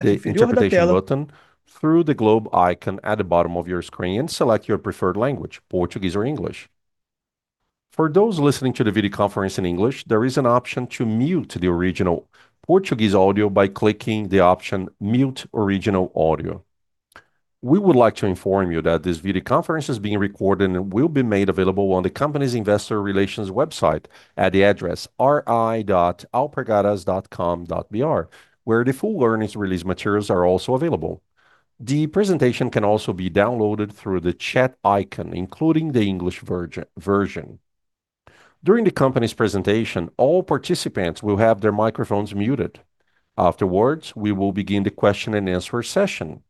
The interpretation button through the globe icon at the bottom of your screen and select your preferred language, Portuguese or English. For those listening to the video conference in English, there is an option to mute the original Portuguese audio by clicking the option Mute Original Audio. We would like to inform you that this video conference is being recorded and will be made available on the company's investor relations website at the address ri.alpargatas.com.br, wh ere the full earnings release materials are also available. The presentation can also be downloaded through the chat icon, including the English version. During the company's presentation, all participants will have their microphones muted. Afterwards, we will begin the question-and-answer session.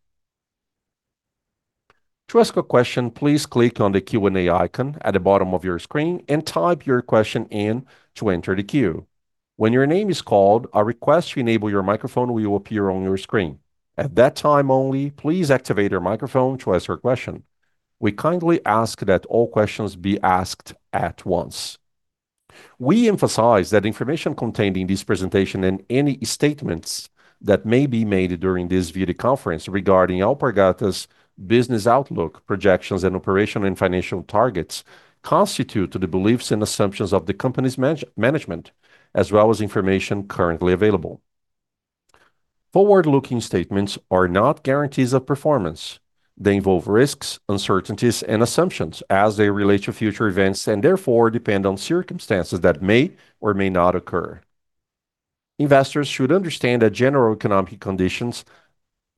To ask a question, please click on the Q&A icon at the bottom of your screen and type your question in to enter the queue. When your name is called, a request to enable your microphone will appear on your screen. At that time only, please activate your microphone to ask your question. We kindly ask that all questions be asked at once. We emphasize that information contained in this presentation and any statements that may be made during this video conference regarding Alpargatas' business outlook, projections and operational and financial targets constitute to the beliefs and assumptions of the company's management as well as information currently available. Forward-looking statements are not guarantees of performance. They involve risks, uncertainties and assumptions as they relate to future events, and therefore depend on circumstances that may or may not occur. Investors should understand that general economic conditions,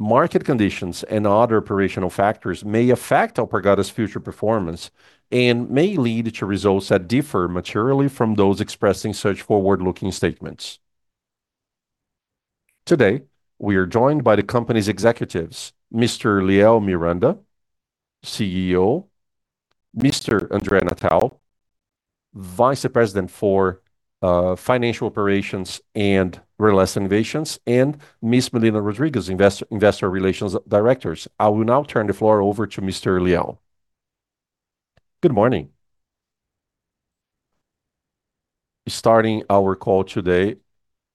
market conditions and other operational factors may affect Alpargatas' future performance and may lead to results that differ materially from those expressing such forward-looking statements. Today, we are joined by the company's executives, Mr. Liel Miranda, CEO, Mr. André Natal, Vice President for Financial Operations and Retail Innovations, and Ms. Milena Rodrigues, Investor Relations Director. I will now turn the floor over to Mr. Liel. Good morning. Starting our call today,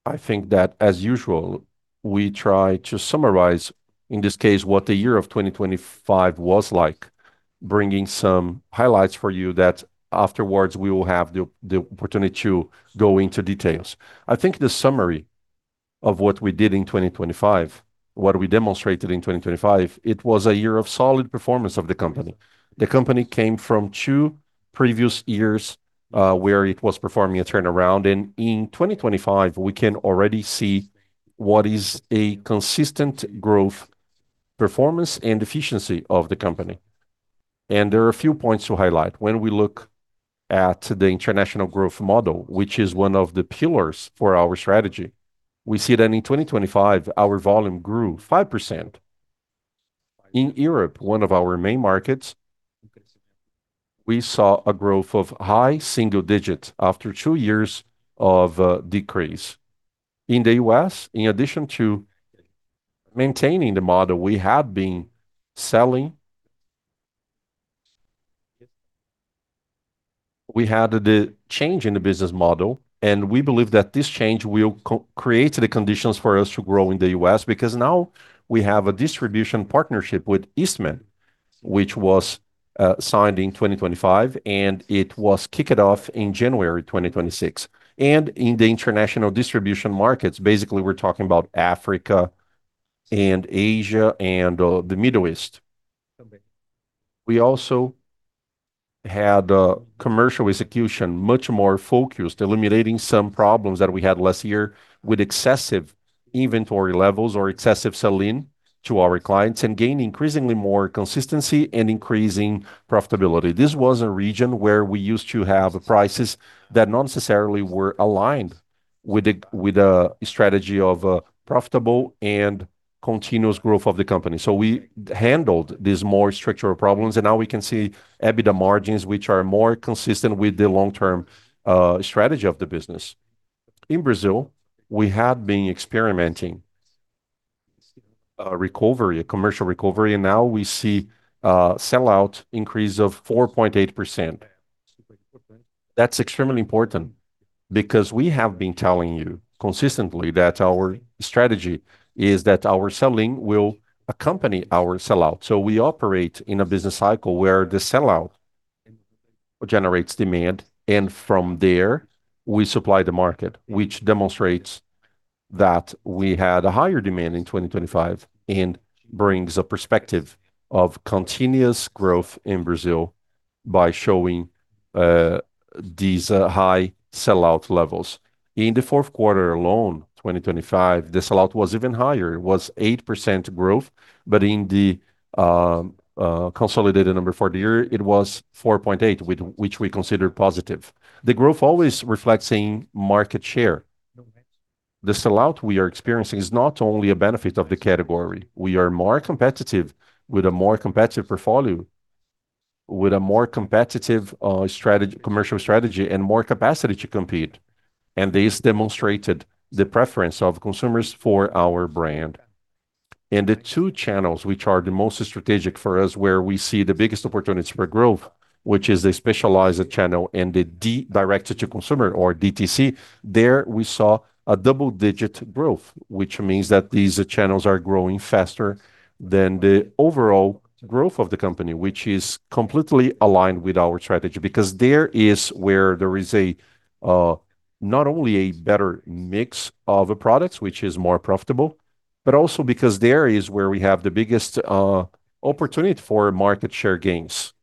I think that as usual, we try to summarize, in this case, what the year of 2025 was like, bringing some highlights for you that afterwards we will have the opportunity to go into details. I think the summary of what we did in 2025, what we demonstrated in 2025, it was a year of solid performance of the company. The company came from two previous years, where it was performing a turnaround. In 2025, we can already see what is a consistent growth, performance and efficiency of the company. There are a few points to highlight. When we look at the international growth model, which is one of the pillars for our strategy, we see that in 2025, our volume grew 5%. In Europe, one of our main markets, we saw a growth of high single digits after two years of decrease. In the U.S., in addition to maintaining the model we had been selling, we had the change in the business model, and we believe that this change will co-create the conditions for us to grow in the U.S. because now we have a distribution partnership with Eastman, which was signed in 2025, and it was kicked off in January 2026. In the international distribution markets, basically we're talking about Africa and Asia and the Middle East. We also had a commercial execution much more focused, eliminating some problems that we had last year with excessive inventory levels or excessive sell-in to our clients and gained increasingly more consistency and increasing profitability. This was a region where we used to have prices that not necessarily were aligned with the strategy of profitable and continuous growth of the company. We handled these more structural problems, and now we can see EBITDA margins which are more consistent with the long-term strategy of the business. In Brazil, we had been experimenting recovery, a commercial recovery, and now we see a sellout increase of 4.8%. That's extremely important because we have been telling you consistently that our strategy is that our selling will accompany our sellout. We operate in a business cycle where the sellout generates demand, and from there we supply the market, which demonstrates that we had a higher demand in 2025 and brings a perspective of continuous growth in Brazil by showing these high sellout levels. In the fourth quarter alone, 2025, the sellout was even higher. It was 8% growth. In the consolidated number for the year, it was 4.8, which we consider positive. The growth always reflects in market share. The sellout we are experiencing is not only a benefit of the category. We are more competitive with a more competitive portfolio, with a more competitive commercial strategy, and more capacity to compete. This demonstrated the preference of consumers for our brand. In the two channels which are the most strategic for us, where we see the biggest opportunities for growth. Which is a specialized channel and the direct-to-consumer or DTC. There we saw a double-digit growth, which means that these channels are growing faster than the overall growth of the company, which is completely aligned with our strategy because there is where there is a not only a better mix of products which is more profitable, but also because there is where we have the biggest opportunity for market share gains.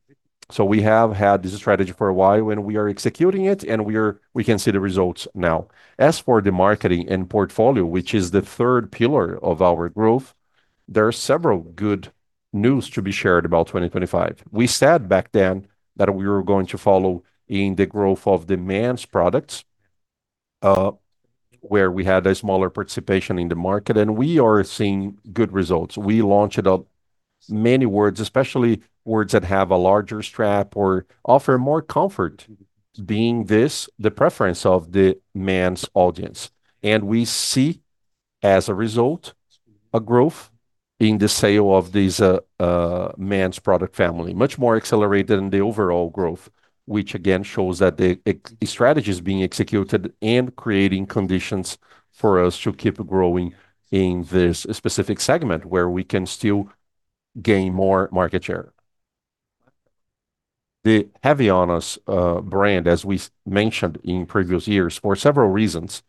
We have had this strategy for a while, and we are executing it, and we can see the results now. As for the marketing and portfolio, which is the third pillar of our growth, there are several good news to be shared about 2025. We said back then that we were going to follow in the growth of the men's products, where we had a smaller participation in the market, and we are seeing good results. We launched many words, especially words that have a larger strap or offer more comfort, being this the preference of the men's audience. We see as a result, a growth in the sale of these men's product family, much more accelerated than the overall growth, which again shows that the strategy is being executed and creating conditions for us to keep growing in this specific segment where we can still gain more market share. The Havaianas brand, as we mentioned in previous years, for several reasons,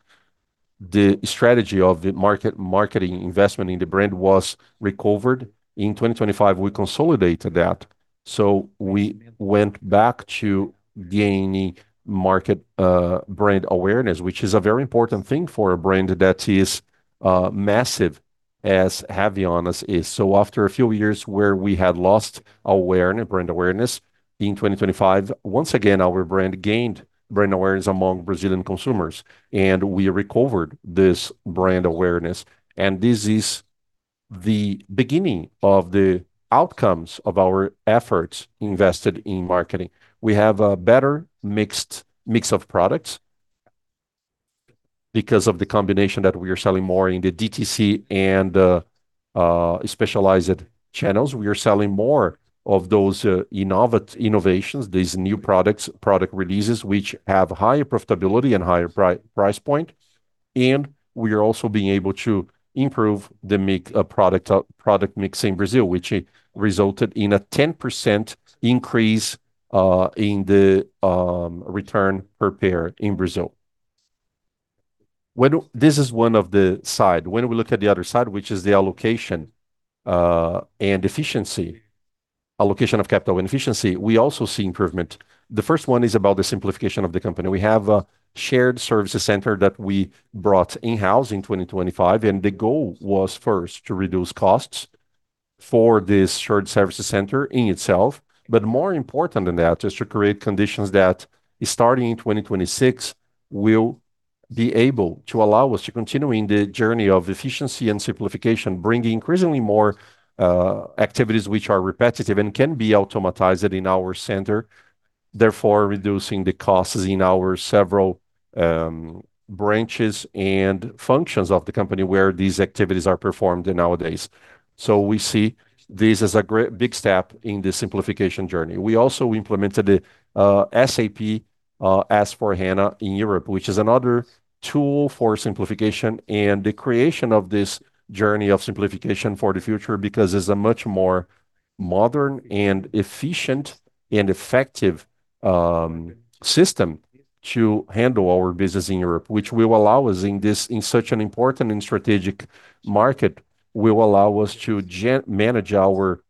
the strategy of the marketing investment in the brand was recovered. In 2025, we consolidated that, we went back to gaining market, brand awareness, which is a very important thing for a brand that is massive as Havaianas is. After a few years where we had lost awareness, brand awareness, in 2025, once again, our brand gained brand awareness among Brazilian consumers, we recovered this brand awareness. This is the beginning of the outcomes of our efforts invested in marketing. We have a better mix of products because of the combination that we are selling more in the DTC and specialized channels. We are selling more of those innovations, these new products, product releases, which have higher profitability and higher price point. We are also being able to improve the mix, product mix in Brazil, which resulted in a 10% increase, in the, return per pair in Brazil. This is one of the side. We look at the other side, which is the allocation, and efficiency, allocation of capital and efficiency, we also see improvement. The first one is about the simplification of the company. We have a shared services center that we brought in-house in 2025. The goal was first to reduce costs for this shared services center in itself. More important than that is to create conditions that starting in 2026 will be able to allow us to continuing the journey of efficiency and simplification, bringing increasingly more activities which are repetitive and can be automatized in our center, therefore reducing the costs in our several branches and functions of the company where these activities are performed nowadays. We see this as a great big step in the simplification journey. We also implemented SAP S/4HANA in Europe, which is another tool for simplification and the creation of this journey of simplification for the future because it's a much more modern and efficient and effective system to handle our business in Europe, which will allow us in such an important and strategic market, will allow us to manage our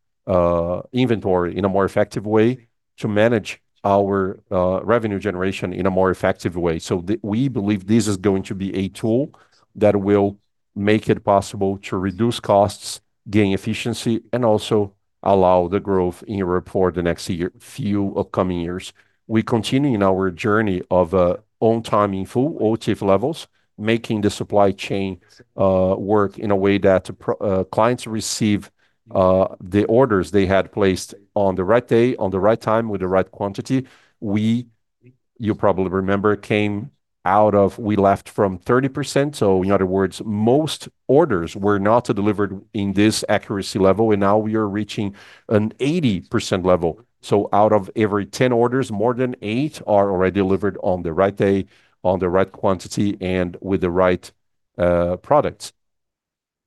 inventory in a more effective way, to manage our revenue generation in a more effective way. We believe this is going to be a tool that will make it possible to reduce costs, gain efficiency, and also allow the growth in Europe for the next few upcoming years. We continue in our journey of, on time in full OTIF levels, making the supply chain work in a way that clients receive, the orders they had placed on the right day, on the right time, with the right quantity. We left from 30%. In other words, most orders were not delivered in this accuracy level, and now we are reaching an 80% level. Out of every 10 orders, more than eight are already delivered on the right day, on the right quantity, and with the right product,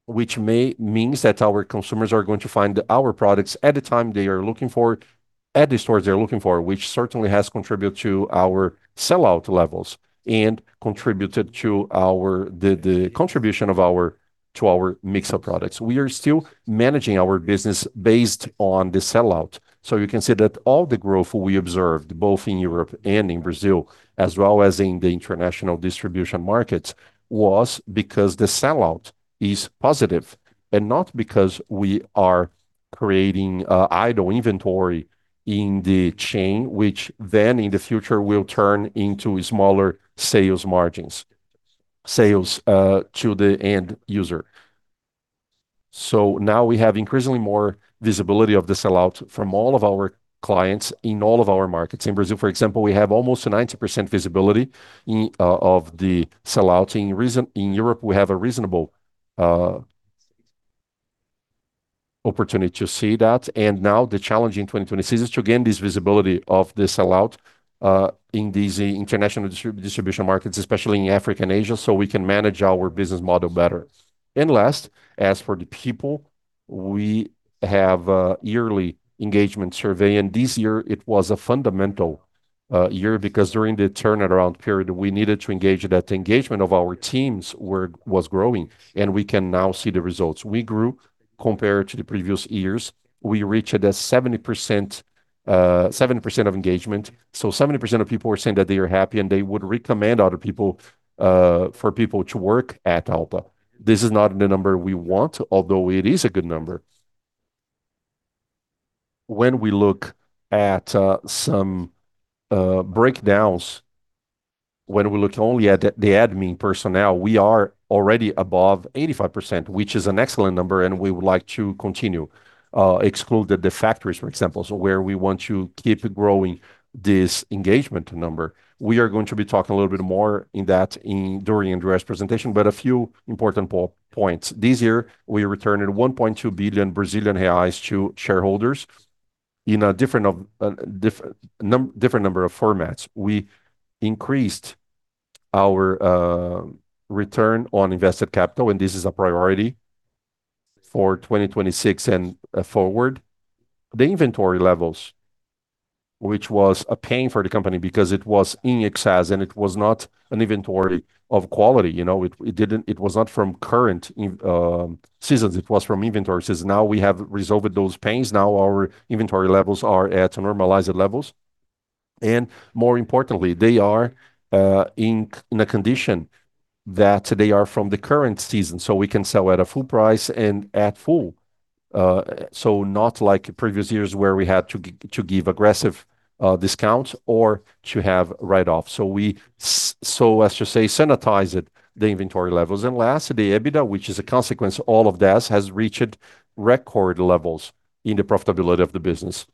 which may means that our consumers are going to find our products at the time they are looking for, at the stores they're looking for, which certainly has contributed to our sellout levels and to our mix of products. We are still managing our business based on the sellout. You can see that all the growth we observed both in Europe and in Brazil, as well as in the international distribution markets, was because the sellout is positive and not because we are creating idle inventory in the chain, which then in the future will turn into smaller sales margins, sales to the end user. Now we have increasingly more visibility of the sell-out from all of our clients in all of our markets. In Brazil, for example, we have almost a 90% visibility of the sell-out. In Europe, we have a reasonable opportunity to see that. Now the challenge in 2026 is to gain this visibility of the sell-out in these international distribution markets, especially in Africa and Asia, so we can manage our business model better. Last, as for the people, we have a yearly engagement survey, and this year it was a fundamental year because during the turnaround period, we needed to engage. That engagement of our teams was growing, and we can now see the results. We grew compared to the previous years. We reached a 70% of engagement. 70% of people were saying that they are happy and they would recommend other people for people to work at Alpargatas. This is not the number we want, although it is a good number. When we look at some breakdowns, when we look only at the admin personnel, we are already above 85%, which is an excellent number and we would like to continue exclude the factories, for example. Where we want to keep growing this engagement number. We are going to be talking a little bit more in that during André's presentation, but a few important points. This year, we returned 1.2 billion Brazilian reais to shareholders in a different of different number of formats. We increased our return on invested capital, and this is a priority for 2026 and forward. The inventory levels, which was a pain for the company because it was in excess and it was not an inventory of quality, you know. It was not from current seasons. It was from inventory seasons. Now we have resolved those pains. Now our inventory levels are at normalized levels. More importantly, they are in a condition that they are from the current season, so we can sell at a full price and at full. Not like previous years where we had to give aggressive discounts or to have write-offs. Let's just say, sanitize it, the inventory levels. Last, the EBITDA, which is a consequence, all of this has reached record levels in the profitability of the business.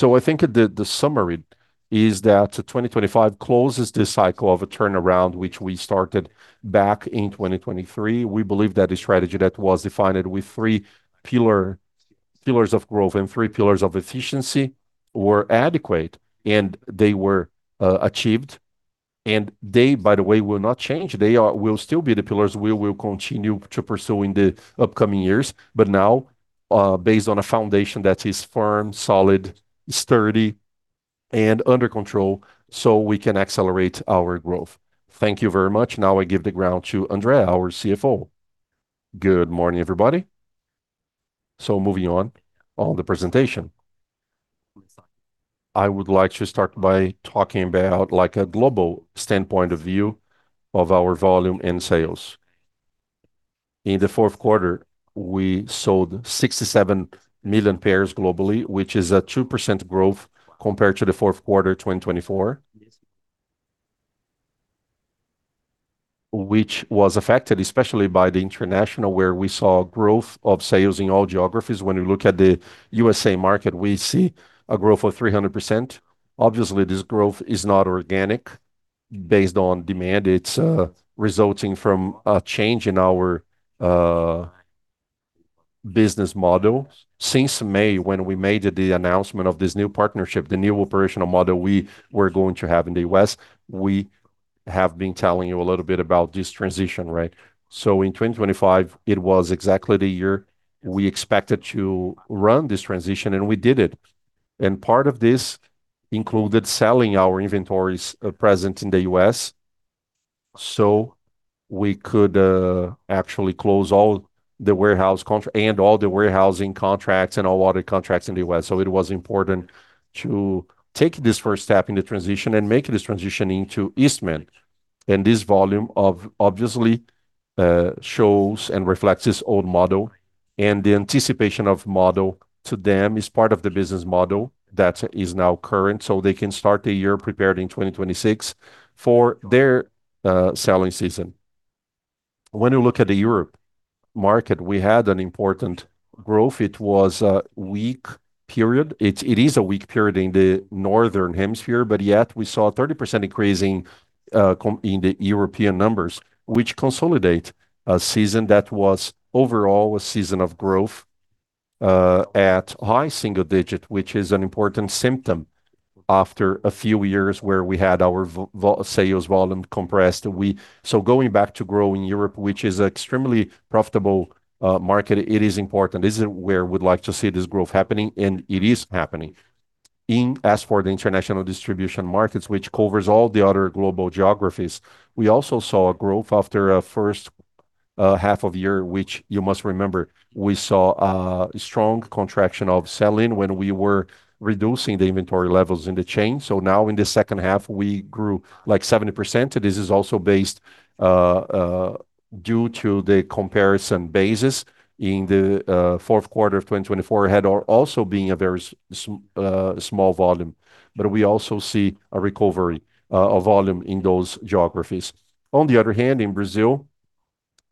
I think the summary is that 2025 closes this cycle of a turnaround which we started back in 2023. We believe that the strategy that was defined with three pillars of growth and three pillars of efficiency were adequate and they were achieved. They, by the way, will not change. They will still be the pillars we will continue to pursue in the upcoming years. Now, based on a foundation that is firm, solid, sturdy and under control, so we can accelerate our growth. Thank you very much. Now I give the ground to André, our CFO. Good morning, everybody. Moving on the presentation. I would like to start by talking about like a global standpoint of view of our volume and sales. In the fourth quarter, we sold 67 million pairs globally, which is a 2% growth compared to the fourth quarter 2024. Which was affected especially by the international, where we saw growth of sales in all geographies. When we look at the USA market, we see a growth of 300%. Obviously, this growth is not organic based on demand. It's resulting from a change in our business model. Since May, when we made the announcement of this new partnership, the new operational model we were going to have in the U.S., we have been telling you a little bit about this transition, right? In 2025, it was exactly the year we expected to run this transition, and we did it. Part of this included selling our inventories present in the U.S., so we could actually close all the warehousing contracts and all other contracts in the U.S. It was important to take this first step in the transition and make this transition into Eastman. This volume of obviously shows and reflects this old model, and the anticipation of model to them is part of the business model that is now current, so they can start the year prepared in 2026 for their selling season. When we look at the Europe market, we had an important growth. It was a weak period. It is a weak period in the northern hemisphere, but yet we saw a 30% increase in the European numbers, which consolidate a season that was overall a season of growth at high single digit, which is an important symptom after a few years where we had our sales volume compressed. Going back to grow in Europe, which is extremely profitable market, it is important. This is where we'd like to see this growth happening, and it is happening. As for the international distribution markets, which covers all the other global geographies, we also saw a growth after a first half of year, which you must remember, we saw a strong contraction of selling when we were reducing the inventory levels in the chain. Now in the second half, we grew like 70%. This is also based due to the comparison basis in the fourth quarter of 2024 had also been a very small volume. We also see a recovery of volume in those geographies. On the other hand, in Brazil,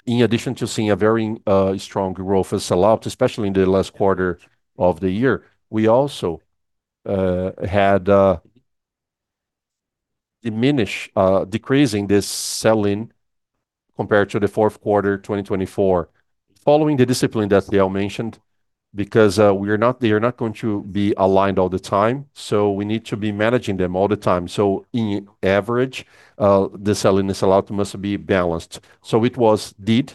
in addition to seeing a very strong growth of sell-out, especially in the last quarter of the year, we also had decreasing this sell-in compared to the fourth quarter 2024. Following the discipline that Liel mentioned, because we are not, they are not going to be aligned all the time, we need to be managing them all the time. In average, the sell-in, the sell-out must be balanced. It was did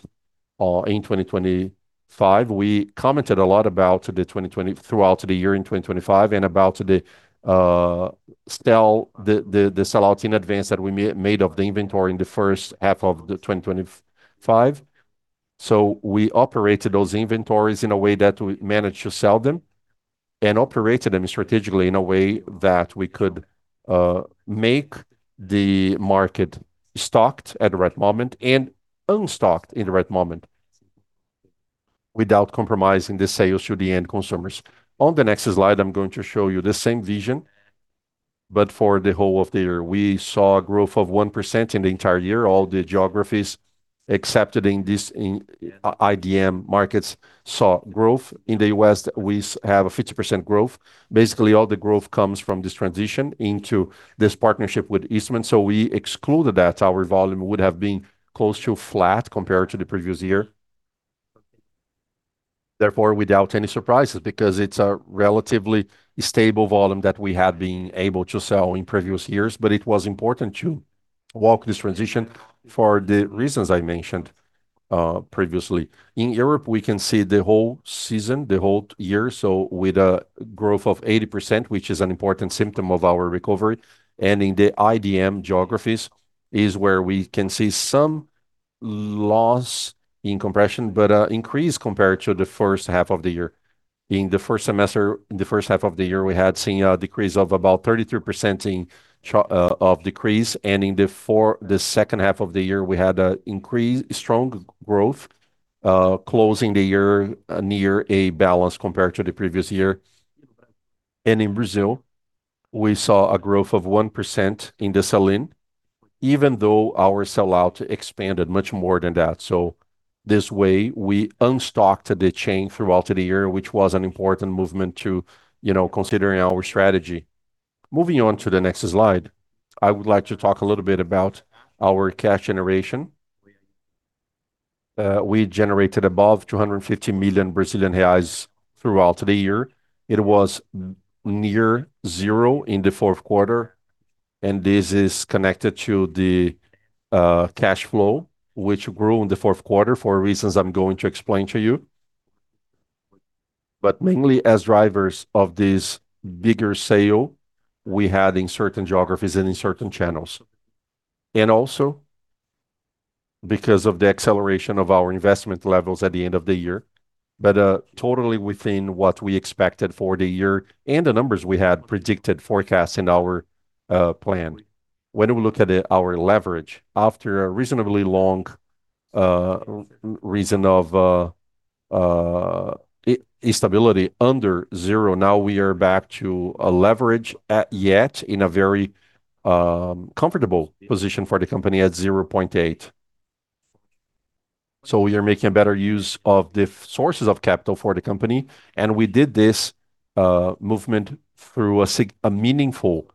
in 2025. We commented a lot about the throughout the year in 2025 and about the sellout in advance that we made of the inventory in the first half of 2025. We operated those inventories in a way that we managed to sell them and operated them strategically in a way that we could make the market stocked at the right moment and unstocked in the right moment without compromising the sales to the end consumers. On the next slide, I'm going to show you the same vision, but for the whole of the year. We saw a growth of 1% in the entire year. All the geographies excepted in this, in IDM markets saw growth. In the U.S., we have a 50% growth. Basically, all the growth comes from this transition into this partnership with Eastman. We excluded that. Our volume would have been close to flat compared to the previous year. Therefore, without any surprises, because it's a relatively stable volume that we have been able to sell in previous years. It was important to walk this transition for the reasons I mentioned previously. In Europe, we can see the whole season, the whole year, so with a growth of 80%, which is an important symptom of our recovery. In the IDM geographies is where we can see some loss in compression, but increase compared to the first half of the year. In the first half of the year, we had seen a decrease of about 33% of decrease. In the second half of the year, we had an increase, strong growth, closing the year near a balance compared to the previous year. In Brazil, we saw a growth of 1% in the sell-in, even though our sell-out expanded much more than that. This way, we unstocked the chain throughout the year, which was an important movement to, you know, considering our strategy. Moving on to the next slide, I would like to talk a little bit about our cash generation. We generated above 250 million Brazilian reais throughout the year. It was near zero in the fourth quarter, this is connected to the cash flow, which grew in the fourth quarter for reasons I'm going to explain to you. Mainly as drivers of this bigger sale we had in certain geographies and in certain channels. Also because of the acceleration of our investment levels at the end of the year. Totally within what we expected for the year and the numbers we had predicted forecast in our plan. When we look at our leverage after a reasonably long reason of instability under zero. Now we are back to a leverage at yet in a very comfortable position for the company at 0.8. We are making better use of the sources of capital for the company, and we did this movement through a meaningful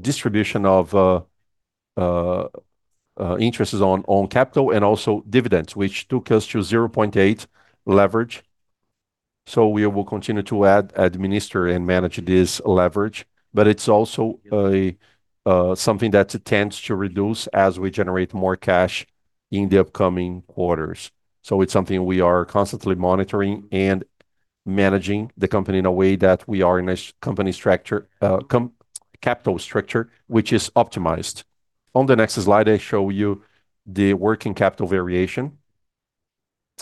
distribution of interests on capital and also dividends, which took us to 0.8 leverage. We will continue to add, administer, and manage this leverage, but it's also something that tends to reduce as we generate more cash in the upcoming quarters. It's something we are constantly monitoring and managing the company in a way that we are in a company structure, capital structure, which is optimized. On the next slide, I show you the working capital variation.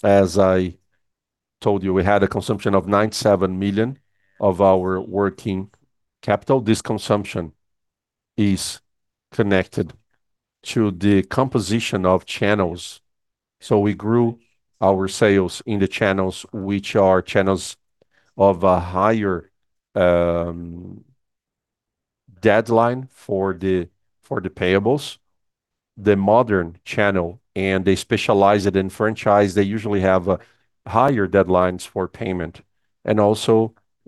As I told you, we had a consumption of 97 million of our working capital. This consumption is connected to the composition of channels. We grew our sales in the channels, which are channels of a higher deadline for the payables. The modern channel, and they specialize it in franchise, they usually have higher deadlines for payment.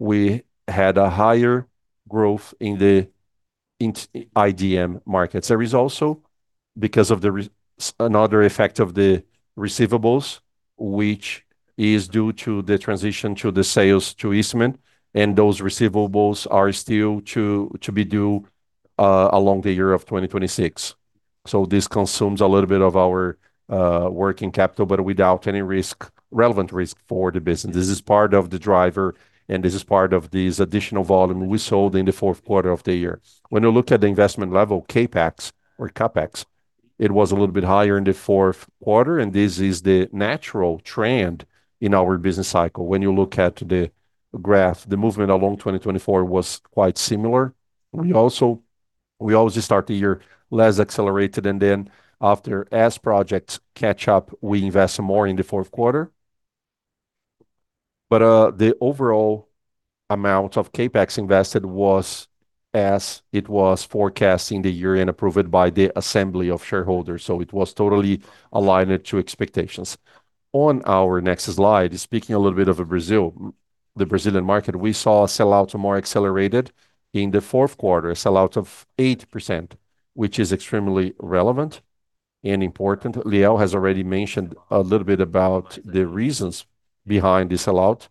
We had a higher growth in the IDM markets. There is also because of another effect of the receivables, which is due to the transition to the sales to Eastman, and those receivables are still to be due along the year of 2026. This consumes a little bit of our working capital, but without any relevant risk for the business. This is part of the driver, and this is part of this additional volume we sold in the fourth quarter of the year. When you look at the investment level, CapEx, it was a little bit higher in the fourth quarter, and this is the natural trend in our business cycle. When you look at the graph, the movement along 2024 was quite similar. We always start the year less accelerated, and then after as projects catch up, we invest more in the fourth quarter. The overall amount of CapEx invested was as it was forecast in the year and approved by the assembly of shareholders, it was totally aligned to expectations. On our next slide, speaking a little bit of Brazil. The Brazilian market, we saw a sell-out more accelerated in the fourth quarter, a sell-out of 8%, which is extremely relevant and important. Liel has already mentioned a little bit about the reasons behind the sell-out.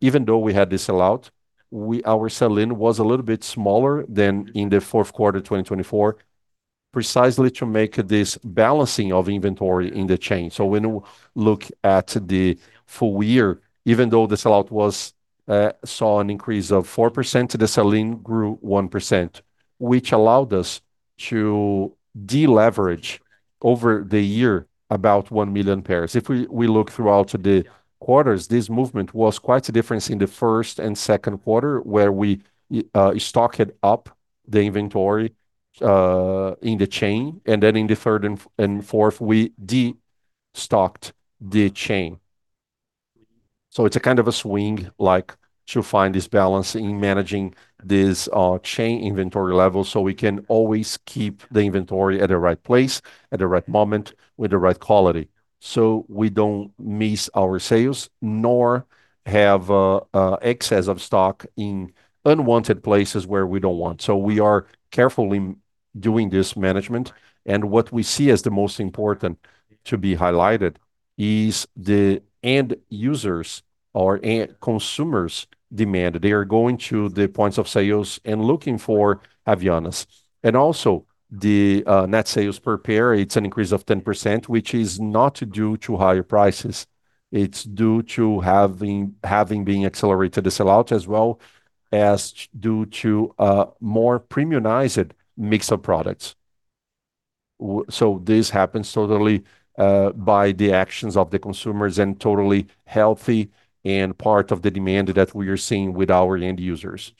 Even though we had the sell-out, our sell-in was a little bit smaller than in the fourth quarter 2024, precisely to make this balancing of inventory in the chain. When you look at the full year, even though the sell-out was saw an increase of 4%, the sell-in grew 1%, which allowed us to deleverage over the year about 1 million pairs. If we look throughout the quarters, this movement was quite a difference in the first and second quarter, where we stocked up the inventory in the chain, and then in the third and fourth, we de-stocked the chain. It's a kind of a swing, like, to find this balance in managing this chain inventory level, so we can always keep the inventory at the right place at the right moment with the right quality, so we don't miss our sales, nor have excess of stock in unwanted places where we don't want. We are carefully doing this management. What we see as the most important to be highlighted is the end users or end consumers' demand. They are going to the points of sales and looking for Havaianas. Also the net sales per pair, it's an increase of 10%, which is not due to higher prices. It's due to having been accelerated the sell-out, as well as due to a more premiumized mix of products. This happens totally by the actions of the consumers and totally healthy and part of the demand that we are seeing with our end users.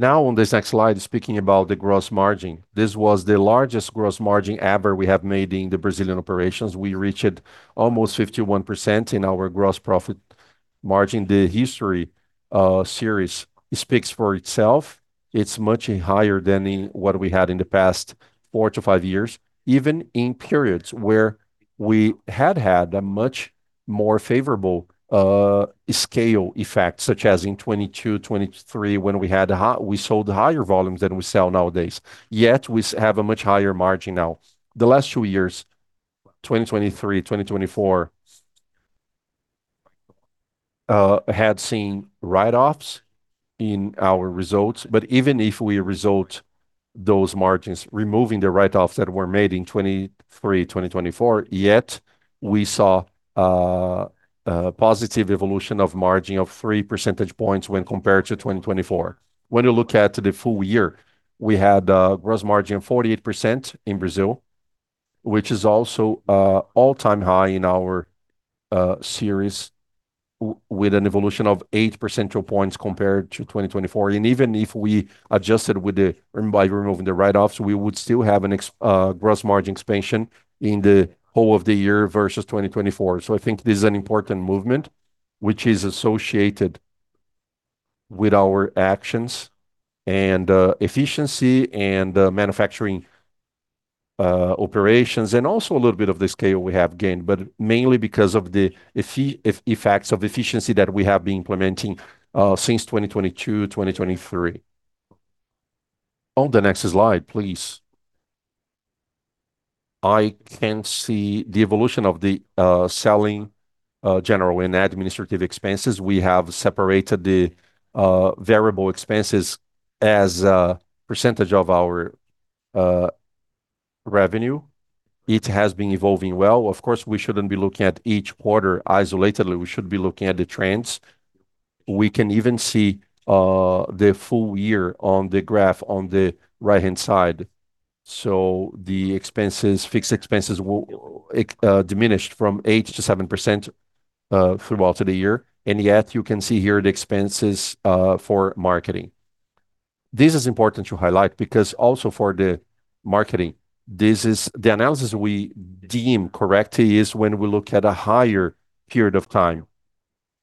On this next slide, speaking about the gross margin. This was the largest gross margin ever we have made in the Brazilian operations. We reached almost 51% in our gross profit margin. The history series speaks for itself. It's much higher than in what we had in the past four to five years, even in periods where we had a much more favorable scale effect, such as in 2022, 2023, when we sold higher volumes than we sell nowadays. Yet we have a much higher margin now. The last two years, 2023, 2024, had seen write-offs in our results. But even if we result those margins, removing the write-offs that were made in 2023, 2024, yet we saw a positive evolution of margin of 3 percentage points when compared to 2024. When you look at the full year, we had a gross margin of 48% in Brazil, which is also a all-time high in our series with an evolution of 8 percentile points compared to 2024. Even if we adjusted by removing the write-offs, we would still have a gross margin expansion in the whole of the year versus 2024. I think this is an important movement which is associated with our actions and efficiency and manufacturing operations, and also a little bit of the scale we have gained, but mainly because of the effects of efficiency that we have been implementing since 2022, 2023. On the next slide, please. I can see the evolution of the Selling, General, and Administrative expenses. We have separated the variable expenses as a % of our revenue. It has been evolving well. Of course, we shouldn't be looking at each quarter isolatedly. We should be looking at the trends. We can even see the full year on the graph on the right-hand side. The expenses, fixed expenses diminished from 8% to 7% throughout the year. Yet you can see here the expenses for marketing. This is important to highlight because also for the marketing, the analysis we deem correct is when we look at a higher period of time.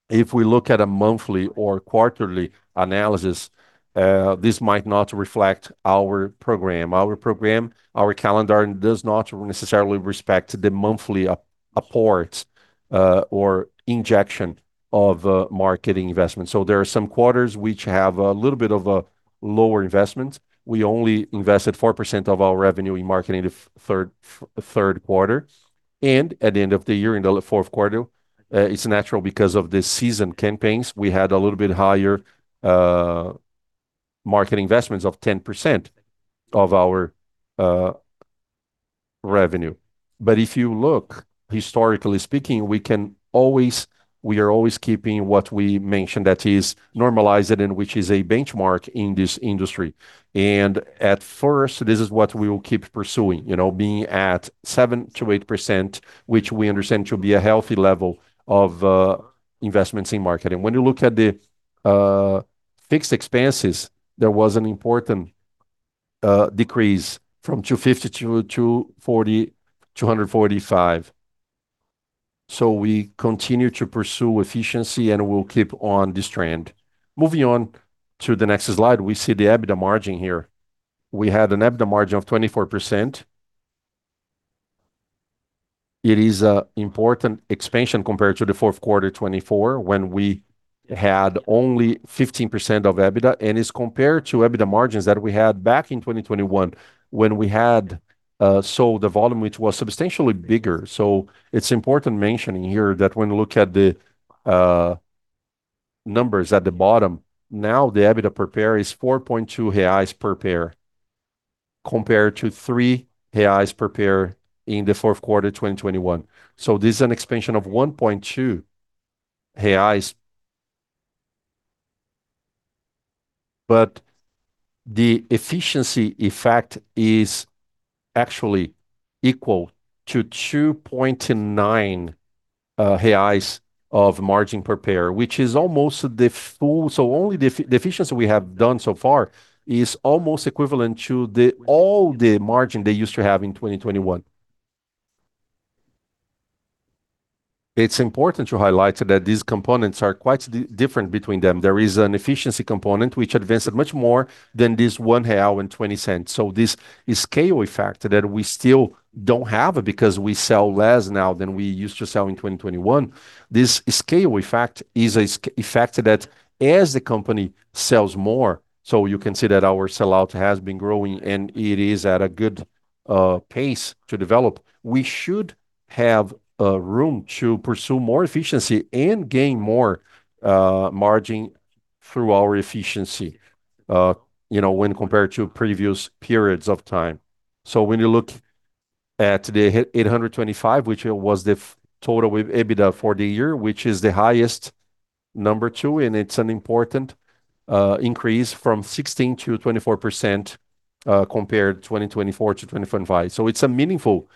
If we look at a monthly or quarterly analysis, this might not reflect our program. Our program, our calendar does not necessarily respect the monthly apport or injection of marketing investments. There are some quarters which have a little bit of a lower investment. We only invested 4% of our revenue in marketing the third quarter. At the end of the year, in the fourth quarter, it's natural because of the season campaigns, we had a little bit higher market investments of 10% of our revenue. If you look, historically speaking, we are always keeping what we mentioned that is normalized and which is a benchmark in this industry. At first, this is what we will keep pursuing, you know, being at 7%-8%, which we understand to be a healthy level of investments in marketing. When you look at the fixed expenses, there was an important decrease from 250 to 245. We continue to pursue efficiency, and we'll keep on this trend. Moving on to the next slide, we see the EBITDA margin here. We had an EBITDA margin of 24%. It is a important expansion compared to the fourth quarter 2024 when we had only 15% of EBITDA, and is compared to EBITDA margins that we had back in 2021 when we had sold the volume which was substantially bigger. It's important mentioning here that when you look at the numbers at the bottom, now the EBITDA per pair is 4.2 reais per pair compared to 3 reais per pair in the fourth quarter 2021. This is an expansion of 1.2. The efficiency effect is actually equal to 2.9 reais of margin per pair, which is almost the full. Only the efficiency we have done so far is almost equivalent to the all the margin they used to have in 2021. It's important to highlight that these components are quite different between them. There is an efficiency component which advances much more than this 1.20 real. This scale effect that we still don't have because we sell less now than we used to sell in 2021, this scale effect is an effect that as the company sells more, you can see that our sell-out has been growing and it is at a good pace to develop. We should have room to pursue more efficiency and gain more margin through our efficiency, you know, when compared to previous periods of time. When you look at the 825, which was the total with EBITDA for the year, which is the highest number too, and it's an important increase from 16%-24%, compared 2024 to 2025. It's a meaningful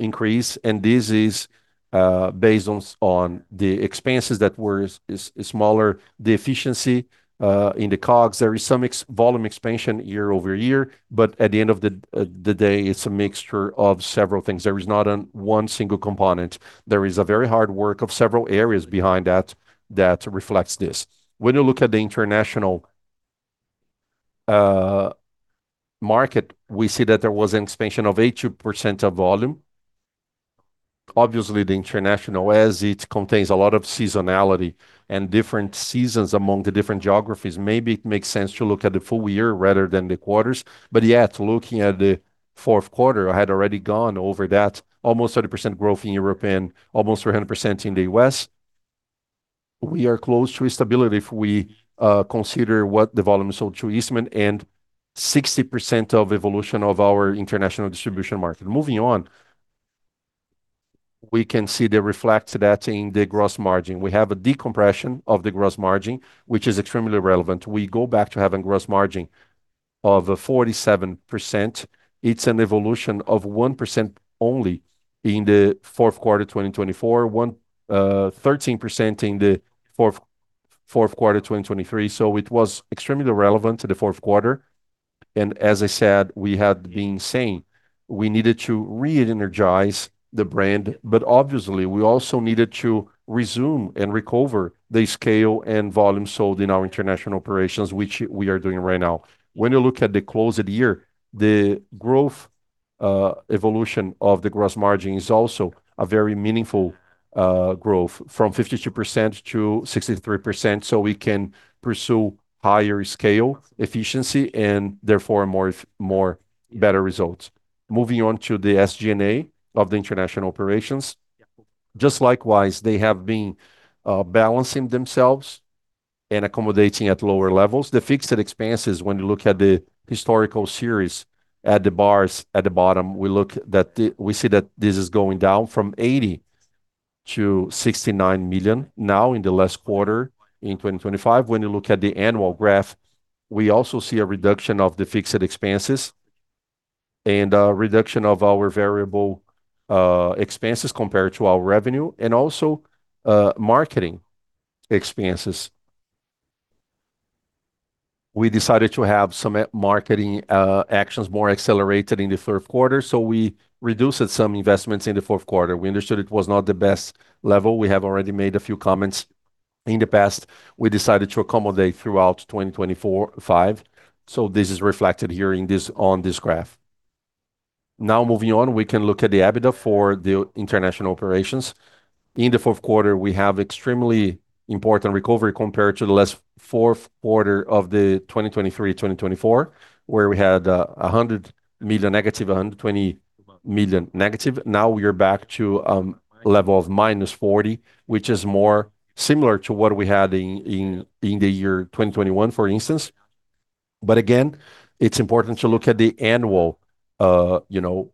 increase, and this is based on the expenses that were smaller, the efficiency in the COGS. There is some volume expansion year-over-year, but at the end of the day, it's a mixture of several things. There is not an one single component. There is a very hard work of several areas behind that reflects this. When you look at the international market, we see that there was an expansion of 80% of volume. Obviously, the international, as it contains a lot of seasonality and different seasons among the different geographies, maybe it makes sense to look at the full year rather than the quarters. Yet, looking at the fourth quarter, I had already gone over that almost 30% growth in Europe and almost 100% in the U.S. We are close to stability if we consider what the volume sold to Eastman and 60% of evolution of our international distribution market. Moving on, we can see they reflect that in the gross margin. We have a decompression of the gross margin, which is extremely relevant. We go back to having gross margin of 47%. It's an evolution of 1% only in the fourth quarter 2024, 13% in the fourth quarter 2023. It was extremely relevant to the fourth quarter. As I said, we had been saying we needed to re-energize the brand, but obviously, we also needed to resume and recover the scale and volume sold in our international operations, which we are doing right now. When you look at the close of the year, the growth, evolution of the gross margin is also a very meaningful growth from 52% to 63%, so we can pursue higher scale efficiency and therefore more better results. Moving on to the SG&A of the international operations. Just likewise, they have been balancing themselves and accommodating at lower levels. The fixed expenses, when you look at the historical series at the bars at the bottom, we look that we see that this is going down from 80 million to 69 million now in the last quarter in 2025. When you look at the annual graph, we also see a reduction of the fixed expenses and a reduction of our variable expenses compared to our revenue and also marketing expenses. We decided to have some marketing actions more accelerated in the third quarter. We reduced some investments in the fourth quarter. We understood it was not the best level. We have already made a few comments in the past. We decided to accommodate throughout 2024, 2025. This is reflected here on this graph. Moving on, we can look at the EBITDA for the international operations. In the fourth quarter, we have extremely important recovery compared to the last fourth quarter of the 2023, 2024, where we had 100 million negative, 120 million negative. Now we are back to level of -40, which is more similar to what we had in 2021, for instance. Again, it's important to look at the annual, you know,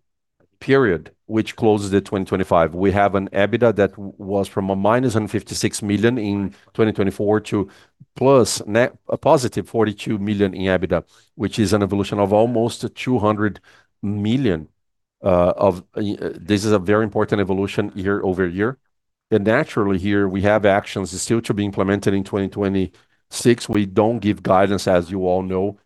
period which closes 2025. We have an EBITDA that was from -56 million in 2024 to a positive 42 million in EBITDA, which is an evolution of almost 200 million. This is a very important evolution year-over-year. Naturally here, we have actions still to be implemented in 2026. We don't give guidance, as you all know.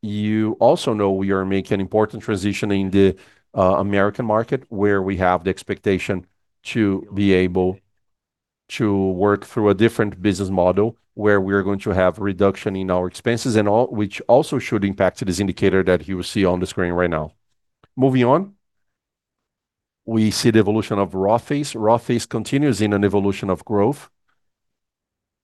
You also know we are making important transition in the American market, where we have the expectation to be able to work through a different business model where we're going to have reduction in our expenses which also should impact this indicator that you see on the screen right now. Moving on, we see the evolution of Rothy's. Rothy's continues in an evolution of growth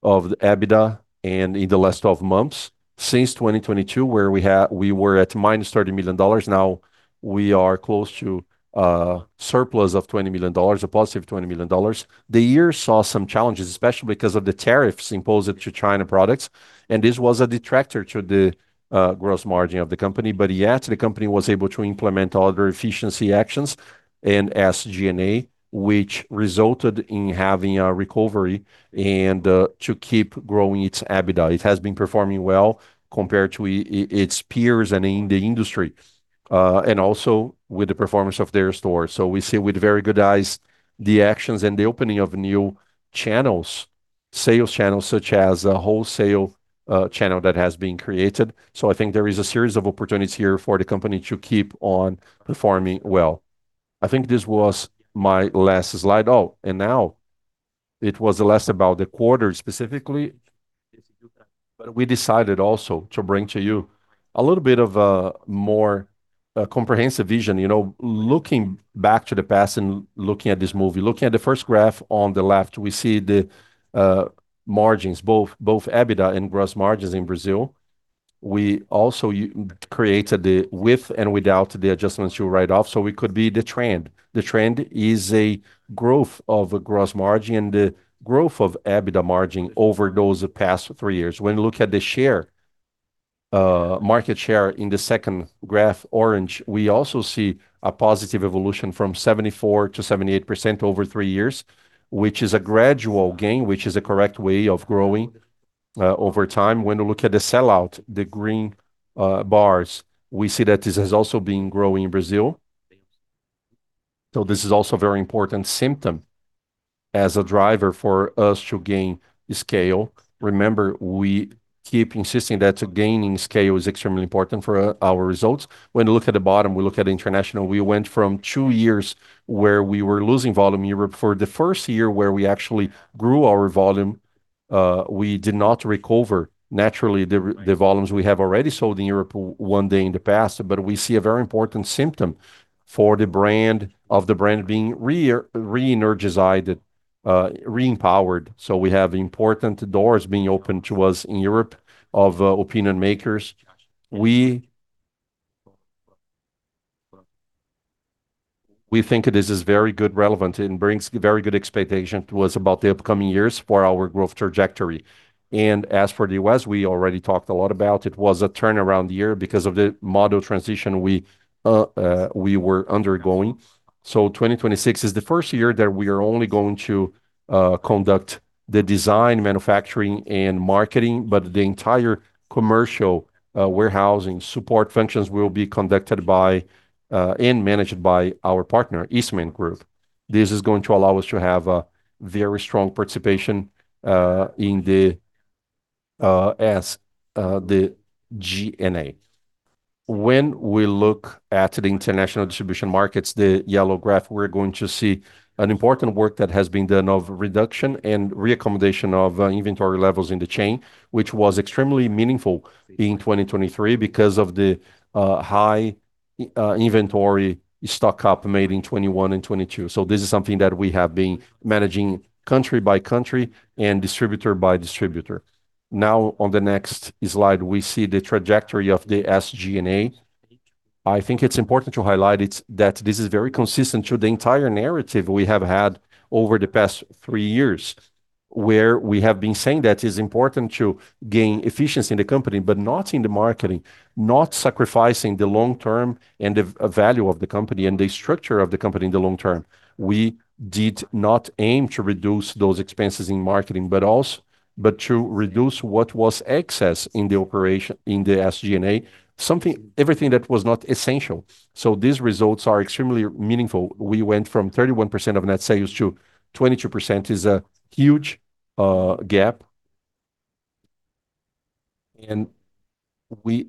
of the EBITDA. In the last 12 months, since 2022, where we were at -$30 million, now we are close to surplus of $20 million, a positive $20 million. The year saw some challenges, especially because of the tariffs imposed to China products. This was a detractor to the gross margin of the company. The company was able to implement all their efficiency actions in SG&A, which resulted in having a recovery and to keep growing its EBITDA. It has been performing well compared to its peers and in the industry, and also with the performance of their stores. We see with very good eyes the actions and the opening of new channels, sales channels, such as a wholesale channel that has been created. I think there is a series of opportunities here for the company to keep on performing well. I think this was my last slide. Now it was the last about the quarter specifically. We decided also to bring to you a little bit of a more comprehensive vision. You know, looking back to the past and looking at this movie. Looking at the first graph on the left, we see the margins, both EBITDA and gross margins in Brazil. We also created the with and without the adjustments to write off, so we could be the trend. The trend is a growth of a gross margin and the growth of EBITDA margin over those past three years. When you look at the share, market share in the second graph, orange, we also see a positive evolution from 74% to 78% over three years, which is a gradual gain, which is a correct way of growing over time. When you look at the sell-out, the green bars, we see that this has also been growing in Brazil. This is also a very important symptom as a driver for us to gain scale. Remember, we keep insisting that gaining scale is extremely important for our results. When you look at the bottom, we look at international, we went from two years where we were losing volume in Europe. For the first year where we actually grew our volume, we did not recover naturally the volumes we have already sold in Europe one day in the past. We see a very important symptom of the brand being re-energized, re-empowered. We have important doors being opened to us in Europe of opinion makers. We think this is very good relevant and brings very good expectation to us about the upcoming years for our growth trajectory. As for the U.S., we already talked a lot about it, was a turnaround year because of the model transition we were undergoing. 2026 is the first year that we are only going to conduct the design, manufacturing and marketing, but the entire commercial, warehousing support functions will be conducted by and managed by our partner, Eastman Group. This is going to allow us to have a very strong participation in the as the SG&A. When we look at the international distribution markets, the yellow graph, we're going to see an important work that has been done of reduction and recomposition of inventory levels in the chain, which was extremely meaningful in 2023 because of the high inventory stock up made in 2021 and 2022. This is something that we have been managing country by country and distributor by distributor. On the next slide, we see the trajectory of the SG&A. I think it's important to highlight that this is very consistent to the entire narrative we have had over the past three years, where we have been saying that it's important to gain efficiency in the company, but not in the marketing, not sacrificing the long term and the value of the company and the structure of the company in the long term. We did not aim to reduce those expenses in marketing, but to reduce what was excess in the operation, in the SG&A, everything that was not essential. These results are extremely meaningful. We went from 31% of net sales to 22% is a huge gap. We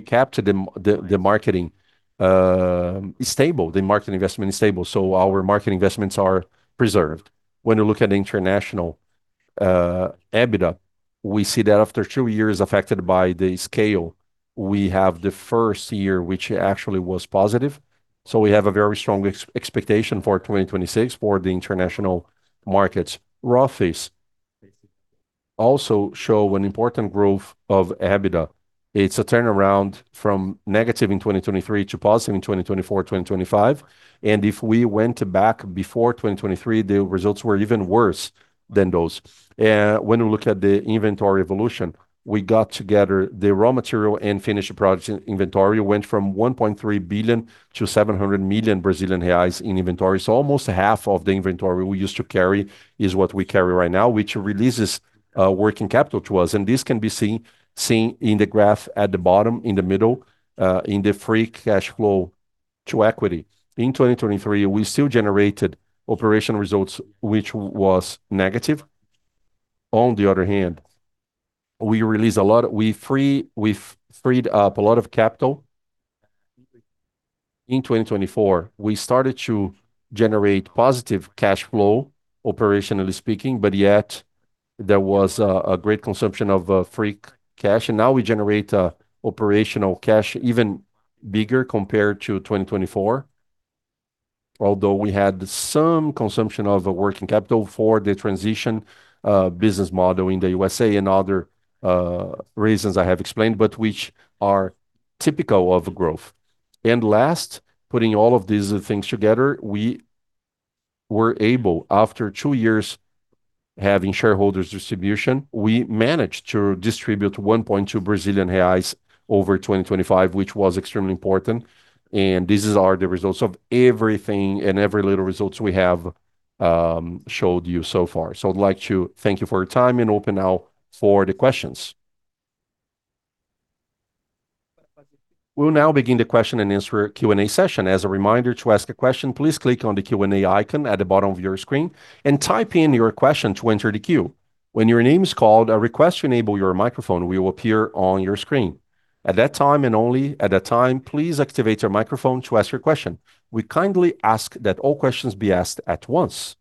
captured the marketing, stable, the marketing investment is stable, so our marketing investments are preserved. When we look at international EBITDA, we see that after two years affected by the scale, we have the first year which actually was positive. We have a very strong expectation for 2026 for the international markets. Rothy's also show an important growth of EBITDA. It's a turnaround from negative in 2023 to positive in 2024, 2025. If we went back before 2023, the results were even worse than those. When we look at the inventory evolution, we got together the raw material and finished product inventory went from 1.3 billion to 700 million Brazilian reais in inventory. Almost half of the inventory we used to carry is what we carry right now, which releases working capital to us. This can be seen in the graph at the bottom, in the middle, in the free cash flow to equity. In 2023, we still generated operation results which was negative. On the other hand, we released a lot. We've freed up a lot of capital. In 2024, we started to generate positive cash flow, operationally speaking, but yet there was a great consumption of free cash. Now we generate operational cash even bigger compared to 2024, although we had some consumption of the working capital for the transition business model in the USA and other reasons I have explained, but which are typical of growth. Last, putting all of these things together, we were able, after two years having shareholders distribution, we managed to distribute 1.2 Brazilian reais over 2025, which was extremely important and these are the results of everything and every little results we have showed you so far. I'd like to thank you for your time and open now for the questions. We'll now begin the question and answer, Q&A session. As a reminder, to ask a question, please click on the Q&A icon at the bottom of your screen and type in your question to enter the queue. When your name is called, a request to enable your microphone will appear on your screen. At that time, and only at that time, please activate your microphone to ask your question. We kindly ask that all questions be asked at once.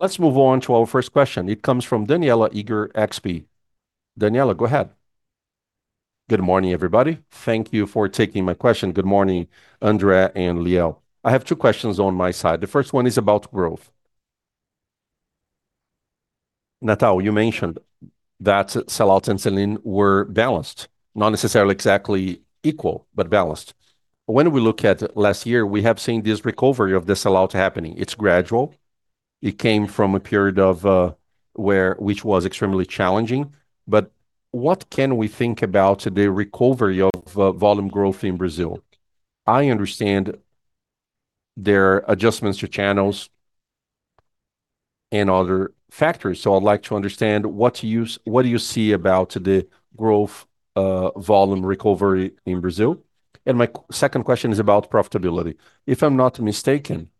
Let's move on to our first question. It comes from Daniela Eiger, XP. Daniela, go ahead. Good morning, everybody. Thank you for taking my question. Good morning, André and Liel. I have two questions on my side. The first one is about growth. Natal, you mentioned that sell-outs and sell-in were balanced, not necessarily exactly equal, but balanced. When we look at last year, we have seen this recovery of the sell-out happening. It's gradual. It came from a period which was extremely challenging, but what can we think about the recovery of volume growth in Brazil? I understand there are adjustments to channels and other factors, so I'd like to understand what do you see about the growth volume recovery in Brazil. My second question is about profitability. If I'm not mistaken,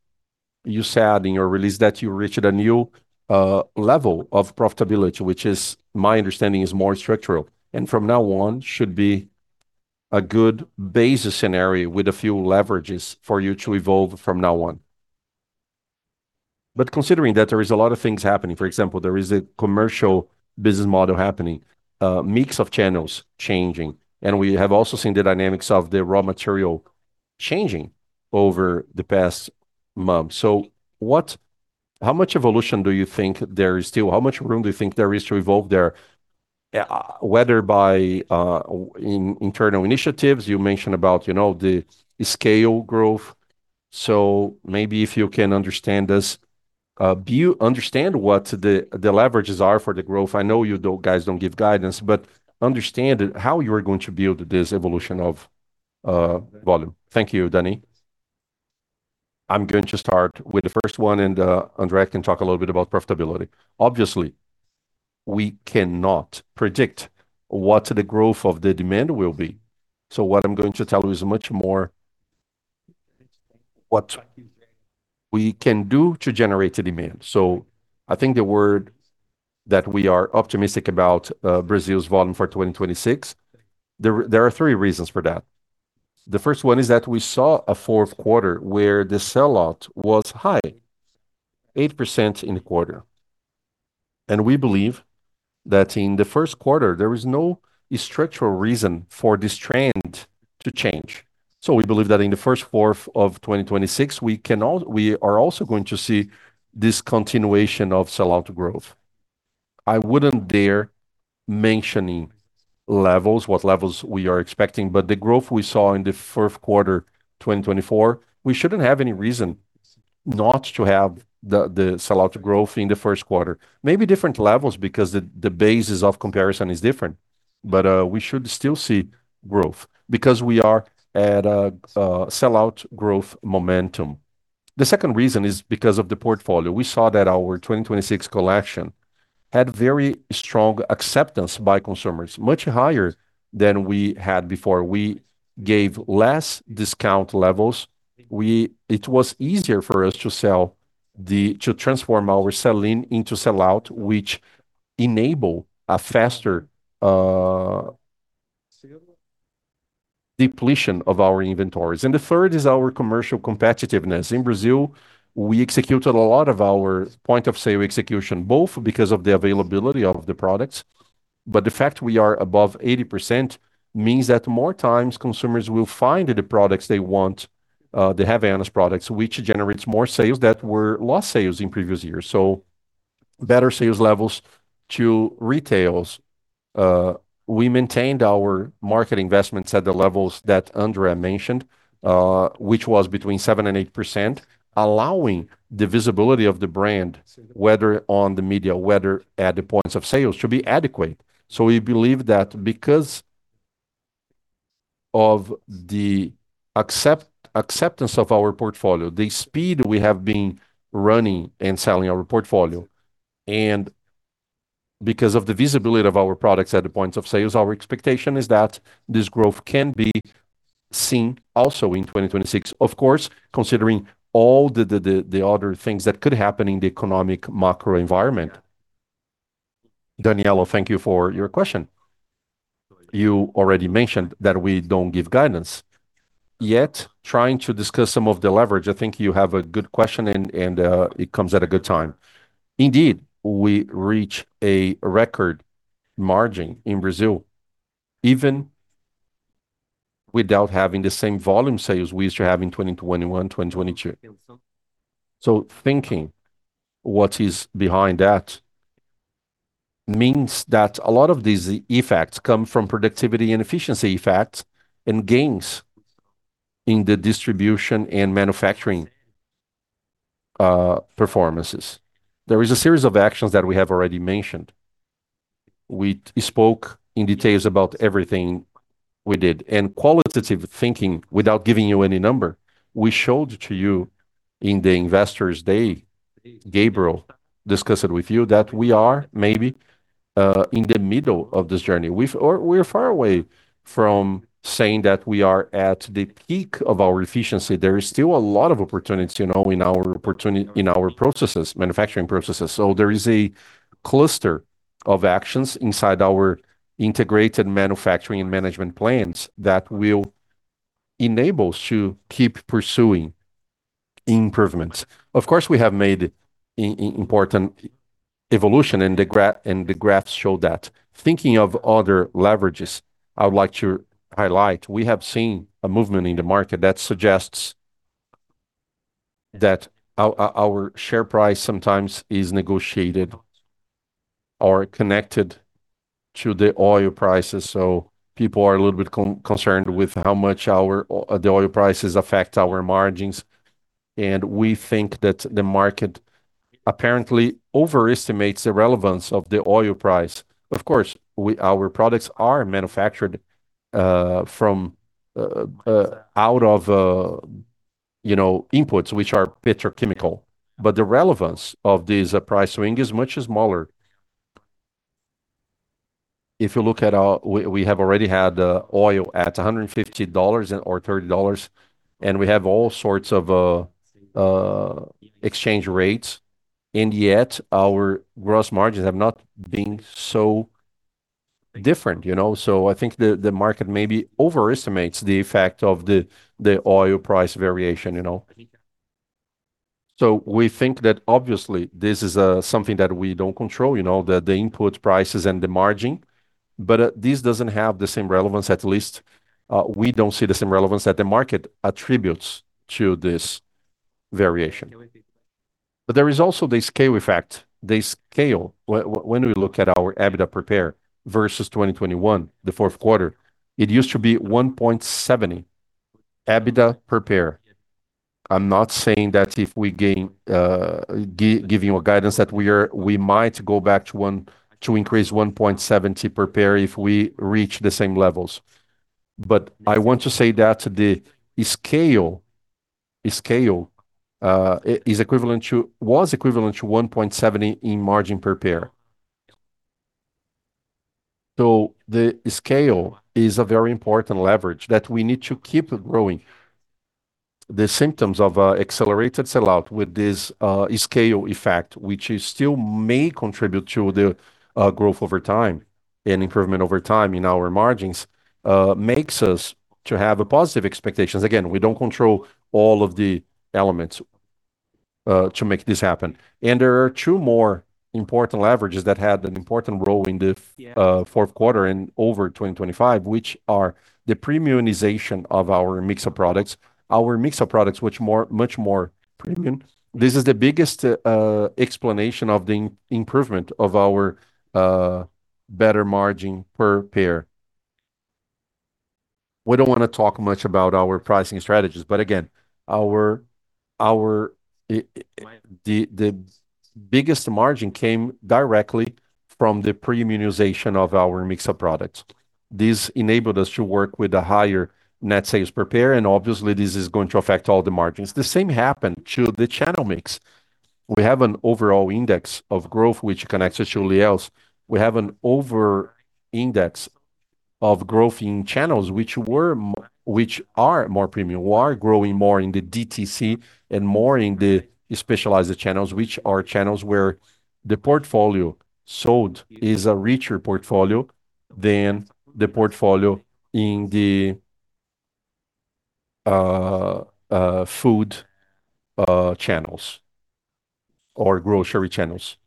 you said in your release that you reached a new level of profitability, which is, my understanding, is more structural, and from now on should be a good base scenario with a few leverages for you to evolve from now on. Considering that there is a lot of things happening, for example, a commercial business model happening, a mix of channels changing, and we have also seen the dynamics of the raw material changing over the past months. How much evolution do you think there is still? How much room do you think there is to evolve there, whether by internal initiatives, you mentioned about, you know, the scale growth. Maybe if you can understand this, do you understand what the leverages are for the growth? I know you though guys don't give guidance, but understand how you're going to build this evolution of volume. Thank you, Dani. I'm going to start with the first one, and André can talk a little bit about profitability. Obviously, we cannot predict what the growth of the demand will be. What I'm going to tell you is much more what we can do to generate the demand. I think the word that we are optimistic about Brazil's volume for 2026, there are three reasons for that. The first one is that we saw a fourth quarter where the sell-out was high, 8% in the quarter. We believe that in the first quarter, there is no structural reason for this trend to change. We believe that in the 1st quarter of 2026, we are also going to see this continuation of sell-out growth. I wouldn't dare mentioning levels, what levels we are expecting, but the growth we saw in the fourth quarter, 2024, we shouldn't have any reason not to have the sell-out growth in the first quarter. Maybe different levels because the basis of comparison is different, but we should still see growth because we are at a sell-out growth momentum. The second reason is because of the portfolio. We saw that our 2026 collection had very strong acceptance by consumers, much higher than we had before. We gave less discount levels. It was easier for us to sell to transform our sell-in into sell-out, which enable a faster depletion of our inventories. The third is our commercial competitiveness. In Brazil, we executed a lot of our point of sale execution, both because of the availability of the products. The fact we are above 80% means that more times consumers will find the products they want, the Havaianas products, which generates more sales that were lost sales in previous years. Better sales levels to retails. We maintained our market investments at the levels that André mentioned, which was between 7% and 8%, allowing the visibility of the brand, whether on the media, whether at the points of sales, to be adequate. We believe that because of the acceptance of our portfolio, the speed we have been running and selling our portfolio, and because of the visibility of our products at the points of sales, our expectation is that this growth can be seen also in 2026. Of course, considering all the other things that could happen in the economic macro environment. Danilo, thank you for your question. You already mentioned that we don't give guidance, yet trying to discuss some of the leverage, I think you have a good question and it comes at a good time. Indeed, we reach a record margin in Brazil even without having the same volume sales we used to have in 2021, 2022. Thinking what is behind that means that a lot of these effects come from productivity and efficiency effects and gains in the distribution and manufacturing performances. There is a series of actions that we have already mentioned. We spoke in details about everything we did. Qualitative thinking, without giving you any number, we showed to you in the Investors Day, Gabriel discussed it with you, that we are maybe in the middle of this journey. Or we're far away from saying that we are at the peak of our efficiency. There is still a lot of opportunity, you know, in our opportunity, in our processes, manufacturing processes. There is a cluster of actions inside our integrated manufacturing and management plans that will enable us to keep pursuing improvements. Of course, we have made important evolution, and the graphs show that. Thinking of other leverages, I would like to highlight, we have seen a movement in the market that suggests that our share price sometimes is negotiated or connected to the oil prices. People are a little bit concerned with how much our the oil prices affect our margins. We think that the market apparently overestimates the relevance of the oil price. Of course, we our products are manufactured from out of, you know, inputs, which are petrochemical, but the relevance of this price swing is much smaller. If you look at our We have already had oil at $150 or $30, and we have all sorts of exchange rates, and yet our gross margins have not been so different, you know. I think the market maybe overestimates the effect of the oil price variation, you know. We think that obviously this is something that we don't control, you know. The input prices and the margin, but this doesn't have the same relevance. At least, we don't see the same relevance that the market attributes to this variation. There is also the scale effect. The scale. When we look at our EBITDA per pair versus 2021, the fourth quarter, it used to be 1.7 EBITDA per pair. I'm not saying that if we gain, giving you a guidance that we are, we might go back to one, to increase 1.7 per pair if we reach the same levels. I want to say that the scale was equivalent to 1.7 in margin per pair. The scale is a very important leverage that we need to keep growing. The symptoms of accelerated sell-out with this scale effect, which still may contribute to the growth over time and improvement over time in our margins, makes us to have positive expectations. Again, we don't control all of the elements to make this happen. There are two more important leverages that had an important role in the. Yeah fourth quarter and over 2025, which are the premiumization of our mix of products. Our mix of products, much more premium. This is the biggest explanation of the improvement of our better margin per pair. We don't wanna talk much about our pricing strategies, but again. The biggest margin came directly from the premiumization of our mix of products. This enabled us to work with a higher net sales per pair, and obviously this is going to affect all the margins. The same happened to the channel mix. We have an overall index of growth which connects us to Liel's. We have an overindex of growth in channels which are more premium. We are growing more in the DTC and more in the specialized channels, which are channels where the portfolio sold is a richer portfolio than the portfolio in the food channels or grocery channels.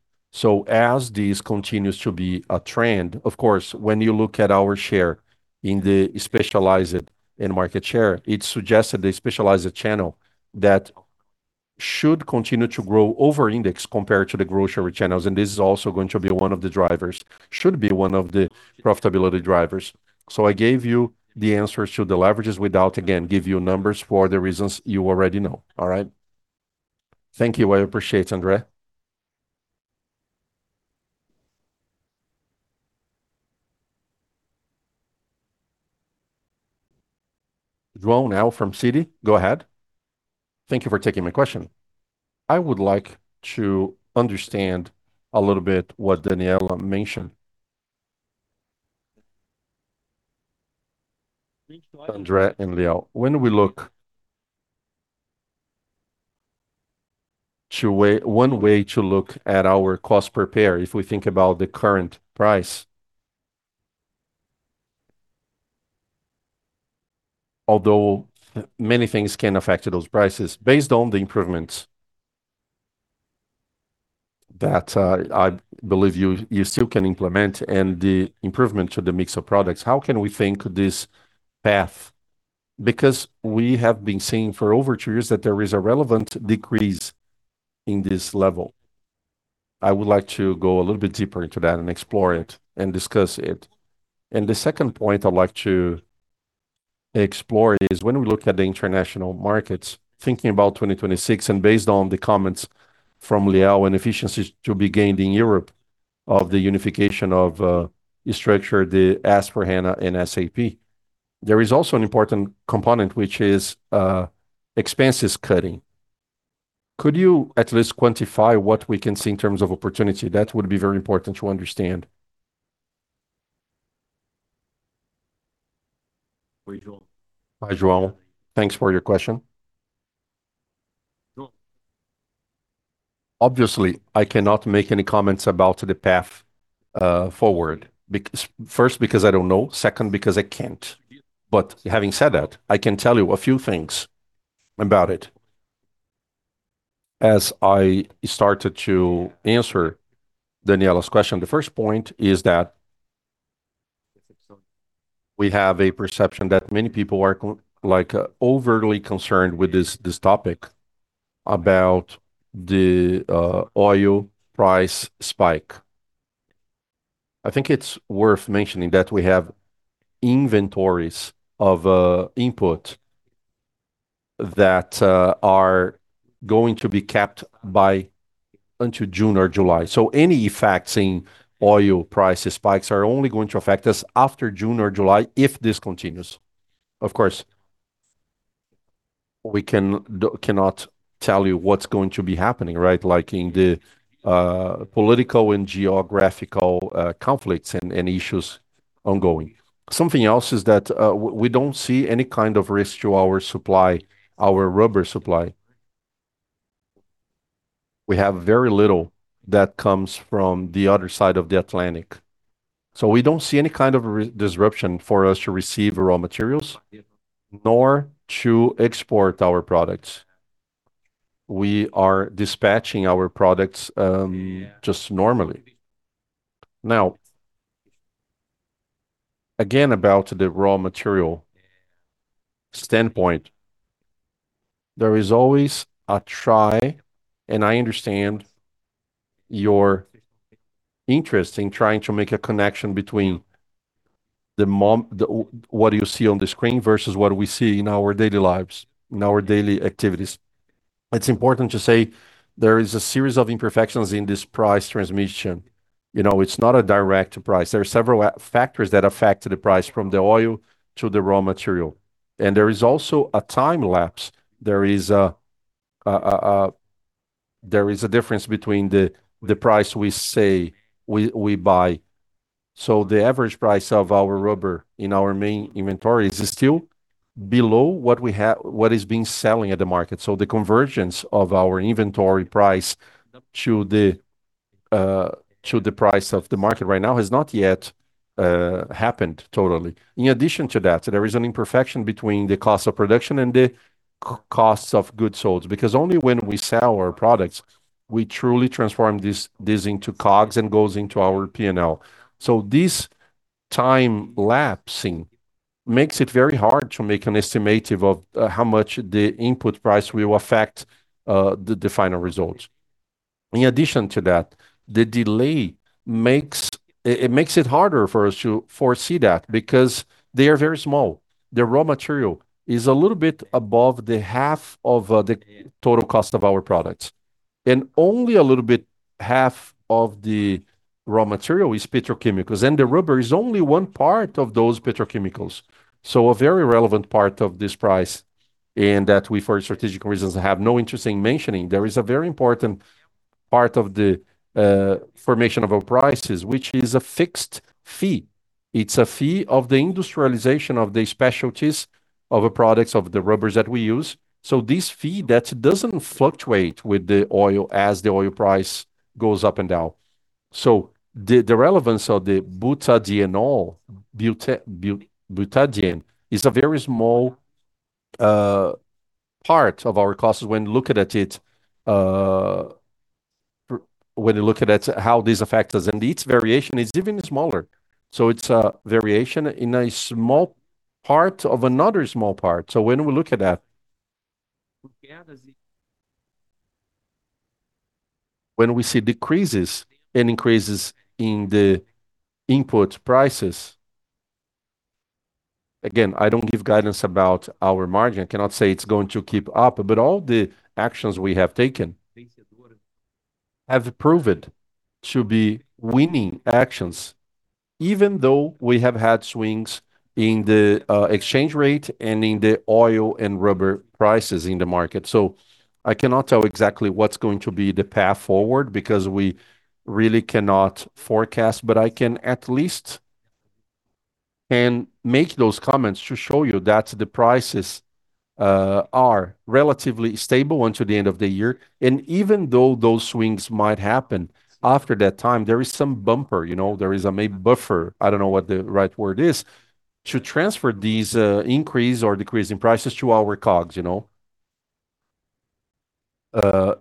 As this continues to be a trend, of course, when you look at our share in the specialized and market share, it suggests that the specialized channel should continue to grow overindex compared to the grocery channels, and this is also going to be one of the drivers. Should be one of the profitability drivers. I gave you the answers to the leverages without, again, give you numbers for the reasons you already know. All right? Thank you. I appreciate, André. João now from Citi. Go ahead. Thank you for taking my question. I would like to understand a little bit what Daniela mentioned. André and Liel, when we look to One way to look at our cost per pair, if we think about the current price, although many things can affect those prices, based on the improvements that I believe you still can implement and the improvement to the mix of products, how can we think this path? We have been seeing for over two years that there is a relevant decrease in this level. I would like to go a little bit deeper into that and explore it and discuss it. The second point I'd like to explore is when we look at the international markets, thinking about 2026, and based on the comments from Liel and efficiencies to be gained in Europe of the unification of structure, the S/4HANA and SAP, there is also an important component which is expenses cutting. Could you at least quantify what we can see in terms of opportunity? That would be very important to understand. Hi, João. Thanks for your question. Obviously, I cannot make any comments about the path forward. First, because I don't know. Second, because I can't. Having said that, I can tell you a few things about it. As I started to answer Daniela's question, the first point is that we have a perception that many people are like overtly concerned with this topic about the oil price spike. I think it's worth mentioning that we have inventories of input that are going to be capped by... until June or July. Any effects in oil price spikes are only going to affect us after June or July if this continues. Of course, we cannot tell you what's going to be happening, right? Like in the political and geographical conflicts and issues ongoing. Something else is that we don't see any kind of risk to our supply, our rubber supply. We have very little that comes from the other side of the Atlantic. We don't see any kind of disruption for us to receive raw materials nor to export our products. We are dispatching our products just normally. Again, about the raw material standpoint, there is always a try, and I understand your interest in trying to make a connection between what you see on the screen versus what we see in our daily lives, in our daily activities. It's important to say there is a series of imperfections in this price transmission. You know, it's not a direct price. There are several factors that affect the price from the oil to the raw material. There is also a time lapse. There is a difference between the price we say we buy. The average price of our rubber in our main inventories is still below what is being selling at the market. The convergence of our inventory price to the price of the market right now has not yet happened totally. In addition to that, there is an imperfection between the cost of production and the costs of goods sold, because only when we sell our products, we truly transform this into COGS and goes into our P&L. This time lapsing makes it very hard to make an estimative of how much the input price will affect the final results. In addition to that, the delay makes it harder for us to foresee that because they are very small. The raw material is a little bit above the half of the total cost of our products, and only a little bit half of the raw material is petrochemicals, and the rubber is only one part of those petrochemicals. A very relevant part of this price, and that we, for strategic reasons, have no interest in mentioning, there is a very important part of the formation of our prices, which is a fixed fee. It's a fee of the industrialization of the specialty products of the rubbers that we use. This fee that doesn't fluctuate with the oil as the oil price goes up and down. The relevance of the butadiene is a very small part of our costs when looking at it, when you look at it, how this affects us, and its variation is even smaller. It's a variation in a small part of another small part. When we look at that, when we see decreases and increases in the input prices, again, I don't give guidance about our margin. I cannot say it's going to keep up. All the actions we have taken have proved to be winning actions, even though we have had swings in the exchange rate and in the oil and rubber prices in the market. I cannot tell exactly what's going to be the path forward because we really cannot forecast, but I can at least... Make those comments to show you that the prices are relatively stable until the end of the year. Even though those swings might happen after that time, there is some bumper, you know, there is a buffer, I don't know what the right word is, to transfer these increase or decrease in prices to our COGS, you know.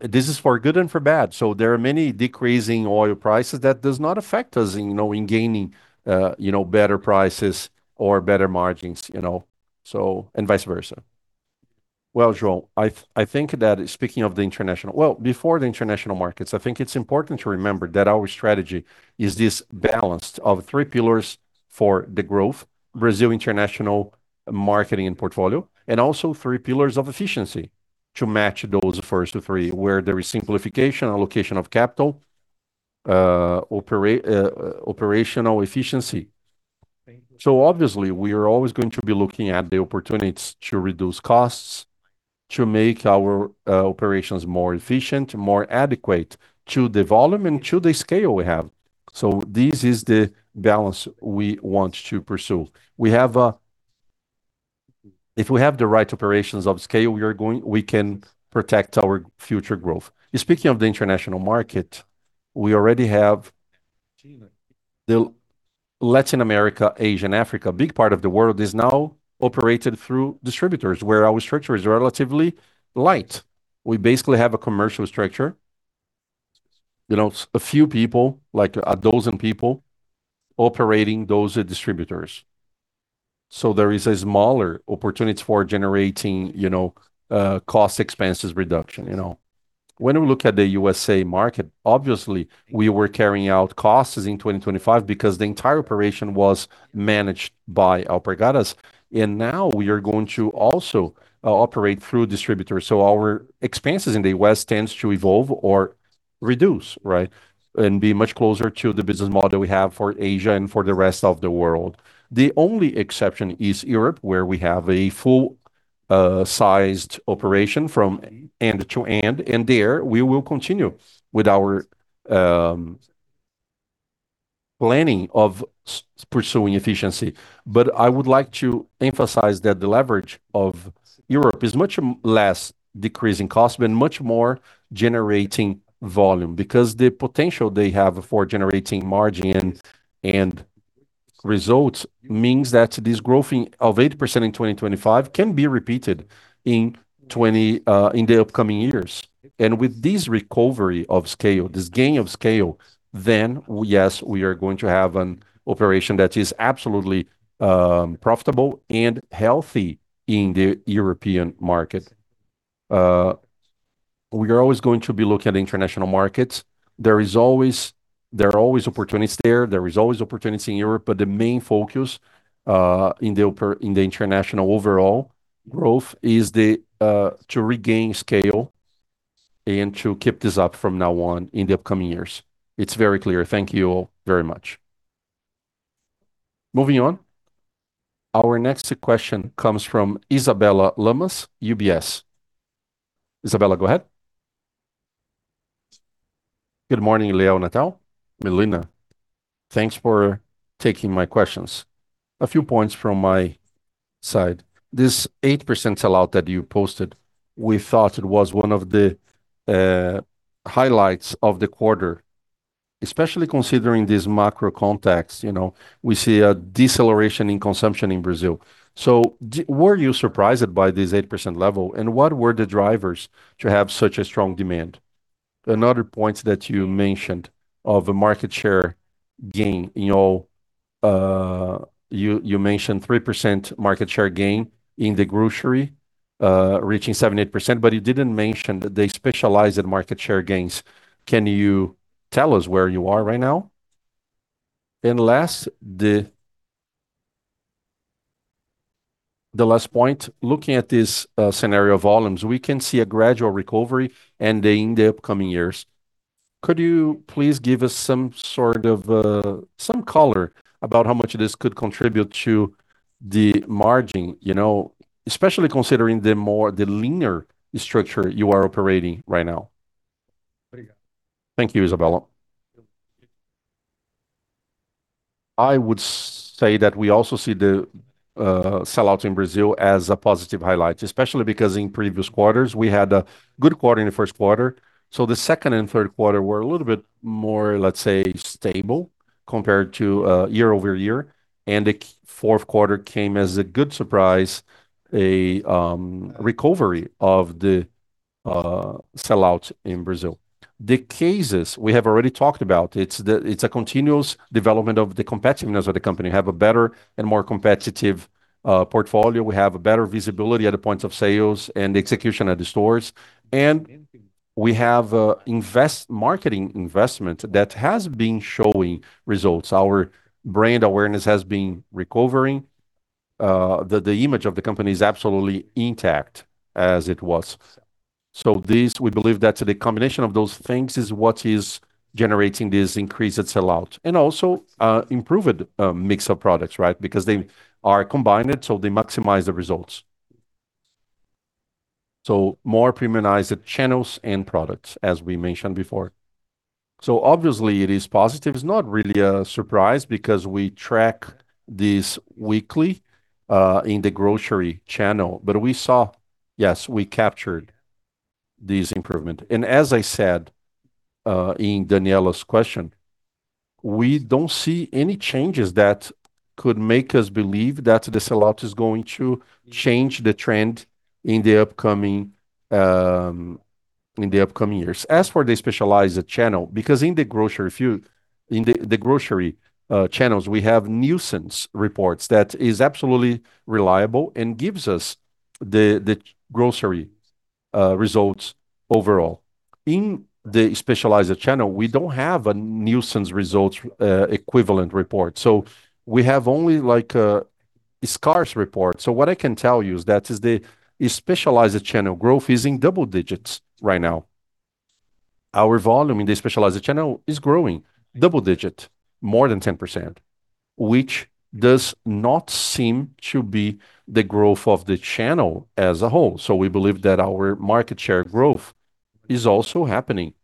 This is for good and for bad. There are many decreasing oil prices that does not affect us in, you know, in gaining, you know, better prices or better margins, you know, and vice versa. Well, Joel, I think that speaking of the international... Well, before the international markets, I think it's important to remember that our strategy is this balance of three pillars for the growth, Brazil international marketing and portfolio, and also three pillars of efficiency to match those first three, where there is simplification, allocation of capital, operational efficiency. Obviously we are always going to be looking at the opportunities to reduce costs, to make our operations more efficient, more adequate to the volume and to the scale we have. This is the balance we want to pursue. If we have the right operations of scale, we can protect our future growth. Speaking of the international market, we already have the Latin America, Asia, and Africa, a big part of the world is now operated through distributors, where our structure is relatively light. We basically have a commercial structure. You know, a few people, like a dozen people operating those distributors. There is a smaller opportunity for generating, you know, cost expenses reduction, you know. When we look at the USA market, obviously we were carrying out costs in 2025 because the entire operation was managed by Alpargatas, and now we are going to also operate through distributors. Our expenses in the West tends to evolve or reduce, right? Be much closer to the business model we have for Asia and for the rest of the world. The only exception is Europe, where we have a full, sized operation from end to end, and there we will continue with our planning of pursuing efficiency. I would like to emphasize that the leverage of Europe is much less decreasing cost and much more generating volume, because the potential they have for generating margin and results means that this growth of 80% in 2025 can be repeated in the upcoming years. With this recovery of scale, this gain of scale, then yes, we are going to have an operation that is absolutely profitable and healthy in the European market. We are always going to be looking at international markets. There are always opportunities there. There is always opportunity in Europe, but the main focus in the international overall growth is to regain scale and to keep this up from now on in the upcoming years. It's very clear. Thank you all very much. Moving on. Our next question comes from Isabella Lamas, UBS. Isabella, go ahead. Good morning, Liel, Natal, Milena. Thanks for taking my questions. A few points from my side. This 8% sell-out that you posted, we thought it was one of the highlights of the quarter, especially considering this macro context. You know, we see a deceleration in consumption in Brazil. Were you surprised by this 8% level, and what were the drivers to have such a strong demand? Another point that you mentioned of a market share gain, you know, you mentioned 3% market share gain in the grocery, reaching 7%-8%, but you didn't mention the specialized market share gains. Can you tell us where you are right now? Last, the last point, looking at this scenario volumes, we can see a gradual recovery ending the upcoming years. Could you please give us some sort of some color about how much this could contribute to the margin, you know, especially considering the linear structure you are operating right now. Thank you, Isabella. I would say that we also see the sell-out in Brazil as a positive highlight, especially because in previous quarters, we had a good quarter in the first quarter. The second and third quarter were a little bit more, let's say, stable compared to year-over-year, and the fourth quarter came as a good surprise, a recovery of the sell-out in Brazil. The cases we have already talked about, it's a continuous development of the competitiveness of the company. We have a better and more competitive portfolio. We have a better visibility at the points of sales and execution at the stores. We have marketing investment that has been showing results. Our brand awareness has been recovering. The image of the company is absolutely intact as it was. This, we believe that the combination of those things is what is generating this increased sell-out. Also, improved mix of products, right? Because they are combined, so they maximize the results. More premiumized channels and products, as we mentioned before. Obviously it is positive. It's not really a surprise because we track this weekly in the grocery channel. We saw. Yes, we captured this improvement. As I said, in Daniela's question, we don't see any changes that could make us believe that the sell-out is going to change the trend in the upcoming, in the upcoming years. As for the specialized channel, because in the grocery channels, we have Nielsen's reports that is absolutely reliable and gives us the grocery results overall. In the specialized channel, we don't have a Nielsen's results equivalent report. We have only like a scarce report. What I can tell you is that is the specialized channel growth is in double digits right now. Our volume in the specialized channel is growing double digit, more than 10%, which does not seem to be the growth of the channel as a whole. We believe that our market share growth is also happening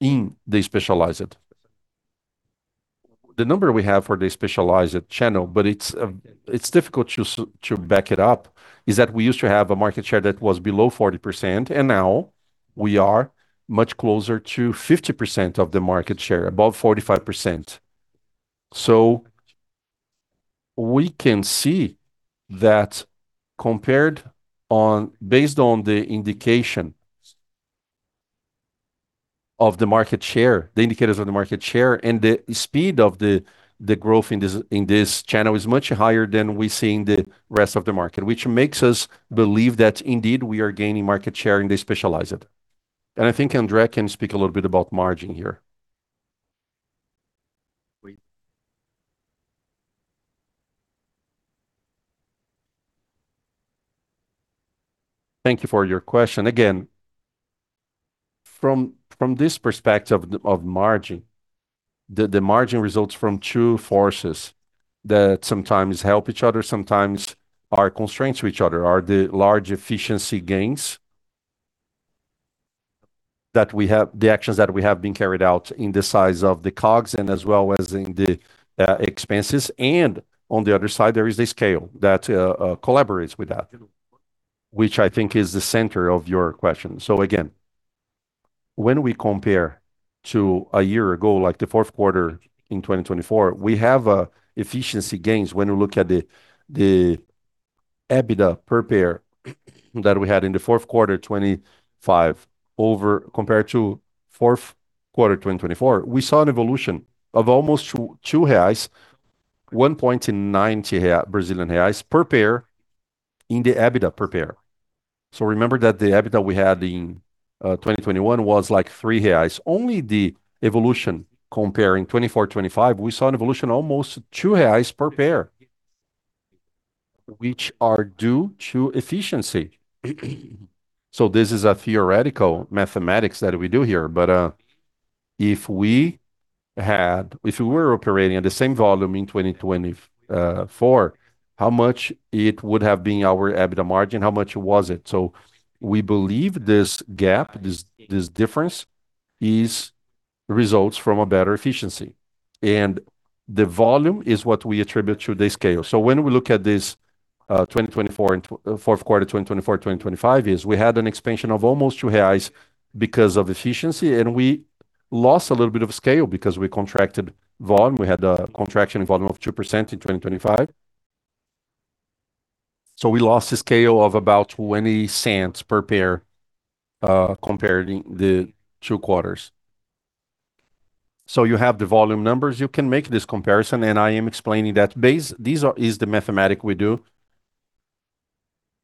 in the specialized. The number we have for the specialized channel, but it's difficult to back it up, is that we used to have a market share that was below 40%, and now we are much closer to 50% of the market share, above 45%. We can see that based on the indication of the market share, the indicators of the market share and the speed of the growth in this, in this channel is much higher than we see in the rest of the market, which makes us believe that indeed we are gaining market share in the specialized. I think André can speak a little bit about margin here. Thank you for your question. Again, from this perspective of margin, the margin results from two forces that sometimes help each other, sometimes are constraints to each other, are the large efficiency gains that we have the actions that we have been carried out in the size of the COGS and as well as in the expenses. On the other side, there is the scale that collaborates with that, which I think is the center of your question. Again, when we compare to a year ago, like the fourth quarter in 2024, we have efficiency gains when we look at the EBITDA per pair that we had in the fourth quarter 2025 compared to fourth quarter 2024. We saw an evolution of almost 2 reais, 1.90 Brazilian reais per pair in the EBITDA per pair. Remember that the EBITDA we had in 2021 was like 3 reais. Only the evolution comparing 2024 to 2025, we saw an evolution almost 2 reais per pair, which are due to efficiency. This is a theoretical mathematics that we do here. If we were operating at the same volume in 2024, how much it would have been our EBITDA margin? How much was it? We believe this gap, this difference is results from a better efficiency. The volume is what we attribute to the scale. When we look at this, 2024 and fourth quarter 2024 to 2025 is we had an expansion of almost 2 reais because of efficiency, and we lost a little bit of scale because we contracted volume. We had a contraction in volume of 2% in 2025. We lost a scale of about 0.20 per pair, comparing the two quarters. You have the volume numbers. You can make this comparison, and I am explaining that this is the mathematic we do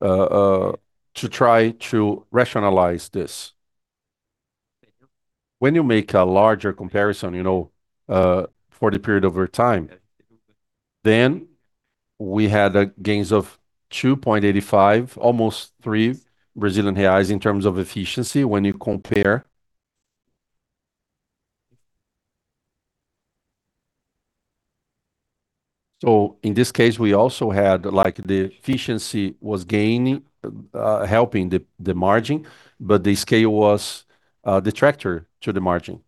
to try to rationalize this. When you make a larger comparison, you know, for the period over time, then we had gains of 2.85, almost 3 Brazilian reais in terms of efficiency when you compare. In this case, we also had like the efficiency was gaining, helping the margin, but the scale was a detractor to the margin.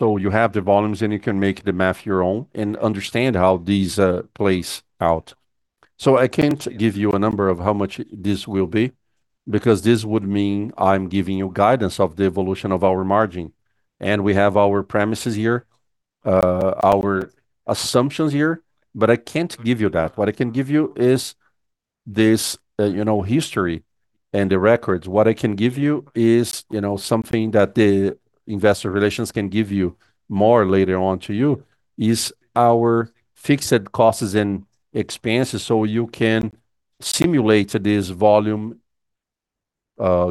You have the volumes and you can make the math your own and understand how these plays out. I can't give you a number of how much this will be because this would mean I'm giving you guidance of the evolution of our margin. We have our premises here, our assumptions here, but I can't give you that. What I can give you is this, you know, history and the records. What I can give you is, you know, something that the Investor Relations can give you more later on to you is our fixed costs and expenses, so you can simulate this volume,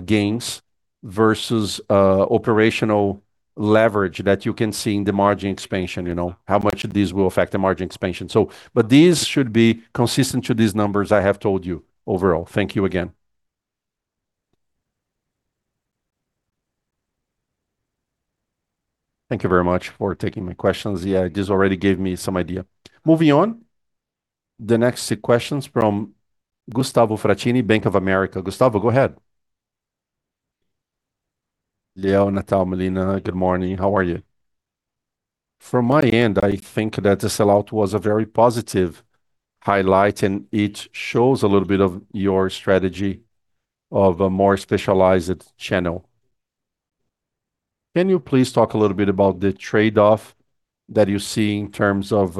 gains-Versus operational leverage that you can see in the margin expansion, you know. How much this will affect the margin expansion. This should be consistent to these numbers I have told you overall. Thank you again. Thank you very much for taking my questions. This already gave me some idea. Moving on. The next questions from Gustavo Fratini, Bank of America. Gustavo, go ahead. Liel Natal, Milena, good morning. How are you? From my end, I think that the sell-out was a very positive highlight, and it shows a little bit of your strategy of a more specialized channel. Can you please talk a little bit about the trade-off that you see in terms of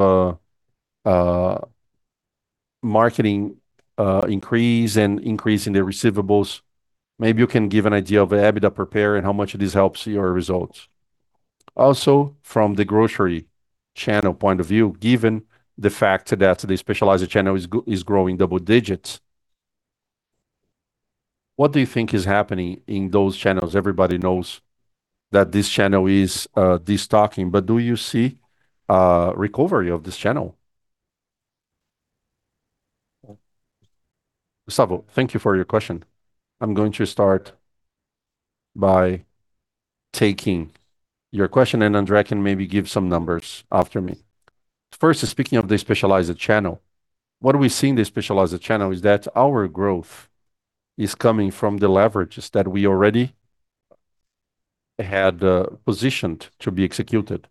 marketing increase and increase in the receivables? Maybe you can give an idea of the EBITDA prepare and how much this helps your results. From the grocery channel point of view, given the fact that the specialized channel is growing double digits, what do you think is happening in those channels? Everybody knows that this channel is destocking, but do you see recovery of this channel? Gustavo, thank you for your question. I'm going to start by taking your question, and André can maybe give some numbers after me. First, speaking of the specialized channel, what we see in the specialized channel is that our growth is coming from the leverages that we already had positioned to be executed.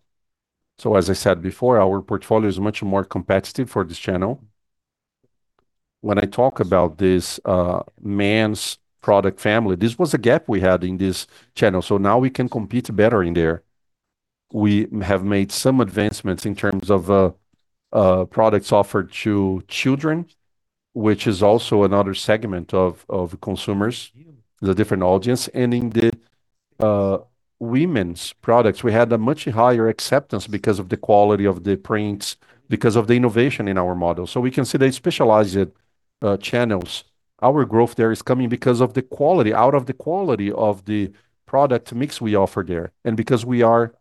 As I said before, our portfolio is much more competitive for this channel. When I talk about this, men's product family, this was a gap we had in this channel, now we can compete better in there. We have made some advancements in terms of products offered to children, which is also another segment of consumers, with a different audience. In the women's products, we had a much higher acceptance because of the quality of the prints, because of the innovation in our models. We can see the specialized channels. Our growth there is coming because of the quality, out of the quality of the product mix we offer there. Because we are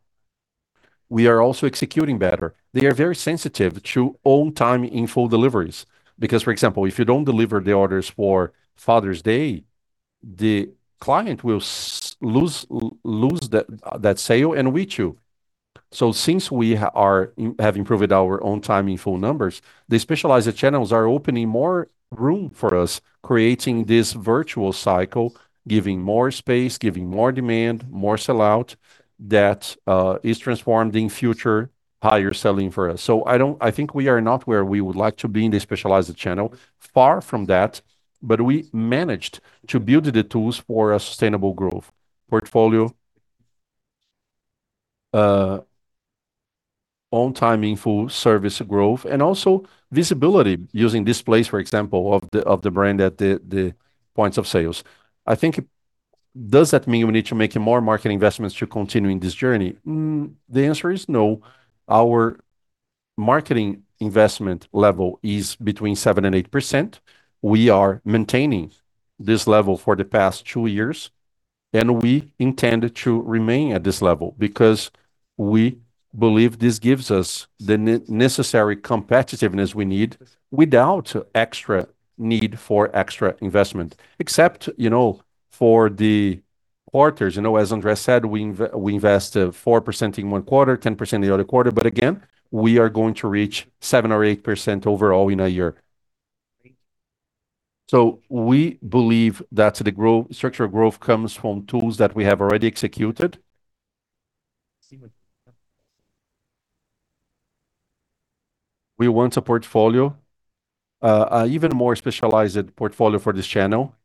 also executing better. They are very sensitive to on-time in-full deliveries. Because, for example, if you don't deliver the orders for Father's Day, the client will lose that sale and with you. Since we have improved our on-time in-full numbers, the specialized channels are opening more room for us, creating this virtual cycle, giving more space, giving more demand, more sell-out that is transformed in future higher selling for us. I think we are not where we would like to be in the specialized channel. Far from that. We managed to build the tools for a sustainable growth. Portfolio, on-time in-full service growth, and also visibility using displays, for example, of the, of the brand at the points of sales. I think does that mean we need to make more marketing investments to continue in this journey? The answer is no. Our marketing investment level is between 7% and 8%. We are maintaining this level for the past two years, and we intend to remain at this level, because we believe this gives us the necessary competitiveness we need without extra need for extra investment. Except, you know, for the quarters. You know, as Andre said, we invest, 4% in one quarter, 10% in the other quarter. Again, we are going to reach 7% or 8% overall in a year. We believe that the growth, structural growth comes from tools that we have already executed. We want a portfolio, even more specialized portfolio for this channel.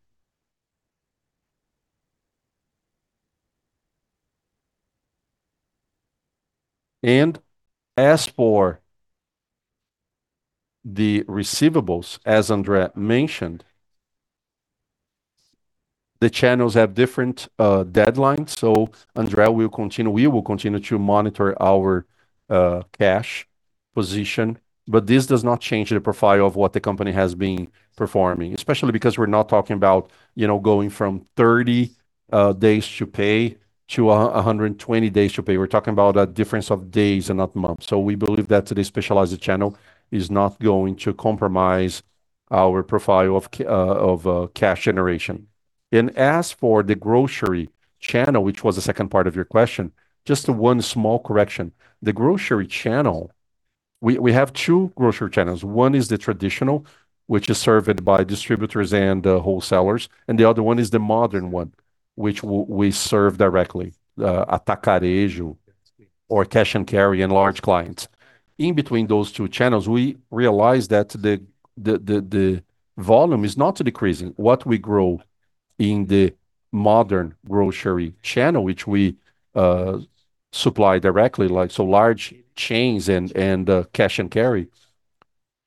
As for the receivables, as André mentioned, the channels have different deadlines. André will continue, we will continue to monitor our cash position, but this does not change the profile of what the company has been performing, especially because we're not talking about, you know, going from 30 days to pay to 120 days to pay. We're talking about a difference of days and not months. We believe that the specialized channel is not going to compromise our profile of cash generation. As for the grocery channel, which was the second part of your question, just one small correction. The grocery channel, we have two grocery channels. One is the traditional, which is served by distributors and wholesalers, and the other one is the modern one, which we serve directly. Atacadão or cash and carry and large clients. In between those two channels, we realize that the, the volume is not decreasing. What we grow in the modern grocery channel, which we supply directly, like so large chains and cash and carry,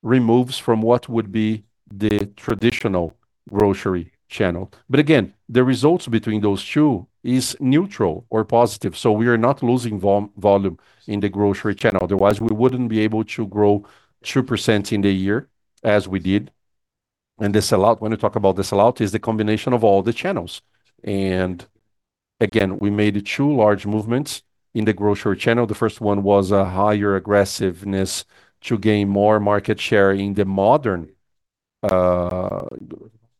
removes from what would be the traditional grocery channel. But again, the results between those two is neutral or positive, so we are not losing volume in the grocery channel. Otherwise, we wouldn't be able to grow 2% in the year as we did. The sell out, when we talk about the sell out, is the combination of all the channels. Again, we made two large movements in the grocery channel. The first one was a higher aggressiveness to gain more market share in the modern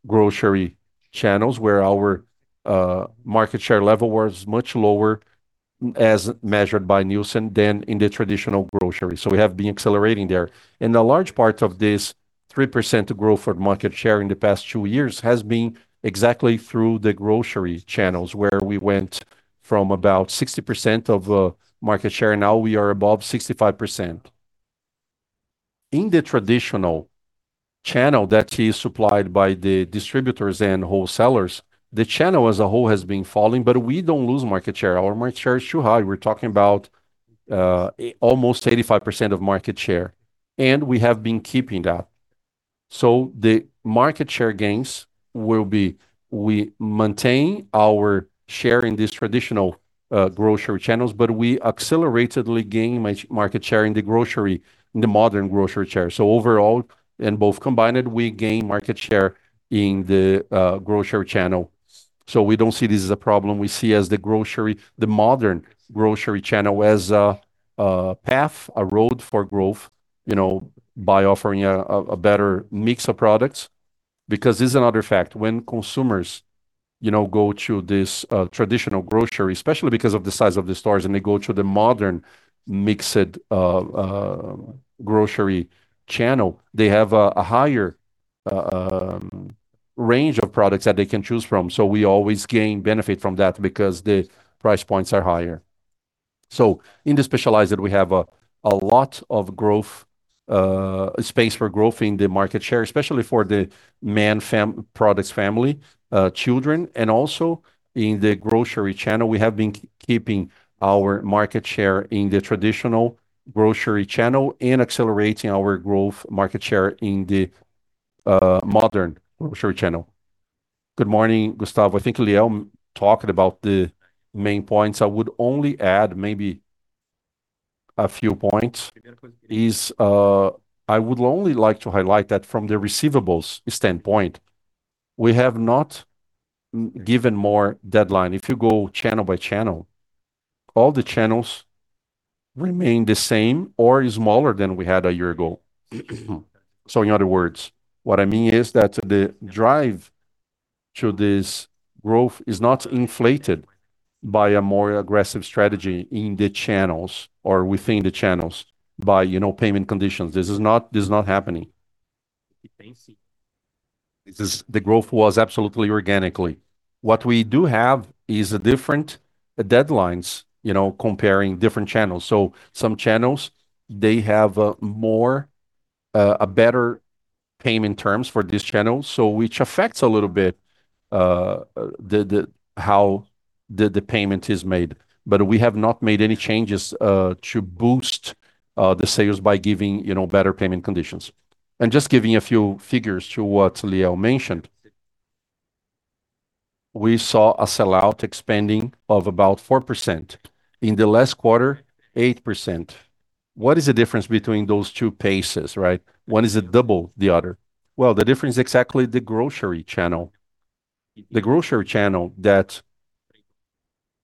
grocery channels where our market share level was much lower as measured by Nielsen than in the traditional grocery. We have been accelerating there. A large part of this 3% growth for market share in the past two years has been exactly through the grocery channels where we went from about 60% of market share. Now we are above 65%. In the traditional channel that is supplied by the distributors and wholesalers, the channel as a whole has been falling, but we don't lose market share. Our market share is too high. We're talking about almost 85% of market share, and we have been keeping that. The market share gains will be we maintain our share in these traditional grocery channels, but we acceleratedly gain market share in the modern grocery share. Overall, and both combined, we gain market share in the grocery channel. We don't see this as a problem. We see as the modern grocery channel as a path, a road for growth, you know, by offering a better mix of products. Because this is another fact, when consumers, you know, go to this traditional grocery, especially because of the size of the stores, and they go to the modern mixed grocery channel, they have a higher range of products that they can choose from. We always gain benefit from that because the price points are higher. In the specialized, we have a lot of growth, space for growth in the market share, especially for the man products family, children, and also in the grocery channel. We have been keeping our market share in the traditional grocery channel and accelerating our growth market share in the modern grocery channel. Good morning, Gustavo. I think Leo talked about the main points. I would only add maybe a few points, is, I would only like to highlight that from the receivables standpoint, we have not given more deadline. If you go channel by channel, all the channels remain the same or is smaller than we had a year ago. In other words, what I mean is that the drive to this growth is not inflated by a more aggressive strategy in the channels or within the channels by, you know, payment conditions. This is not happening. The growth was absolutely organically. What we do have is a different deadlines, you know, comparing different channels. Some channels, they have more a better payment terms for this channel. Which affects a little bit the how the payment is made. We have not made any changes to boost the sales by giving, you know, better payment conditions. Just giving a few figures to what Leo mentioned. We saw a sell-out expanding of about 4%. In the last quarter, 8%. What is the difference between those two paces, right? One is a double the other. The difference is exactly the grocery channel. The grocery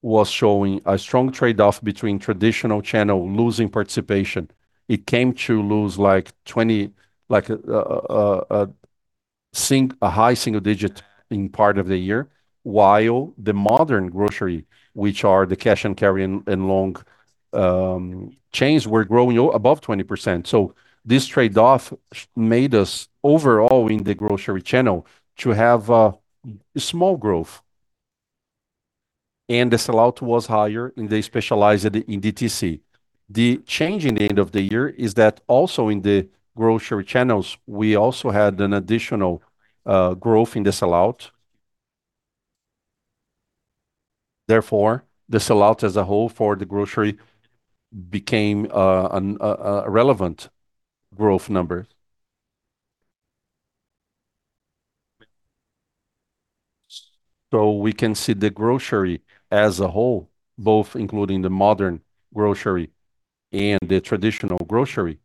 channel that was showing a strong trade-off between traditional channel losing participation. It came to lose like a high single digit in part of the year, while the modern grocery, which are the cash and carry and long chains, were growing above 20%. This trade-off made us overall in the grocery channel to have a small growth. The sell-out was higher, and they specialized in DTC. The change in the end of the year is that also in the grocery channels, we also had an additional growth in the sell-out. The sell-out as a whole for the grocery became a relevant growth number. We can see the grocery as a whole, both including the modern grocery and the traditional grocery.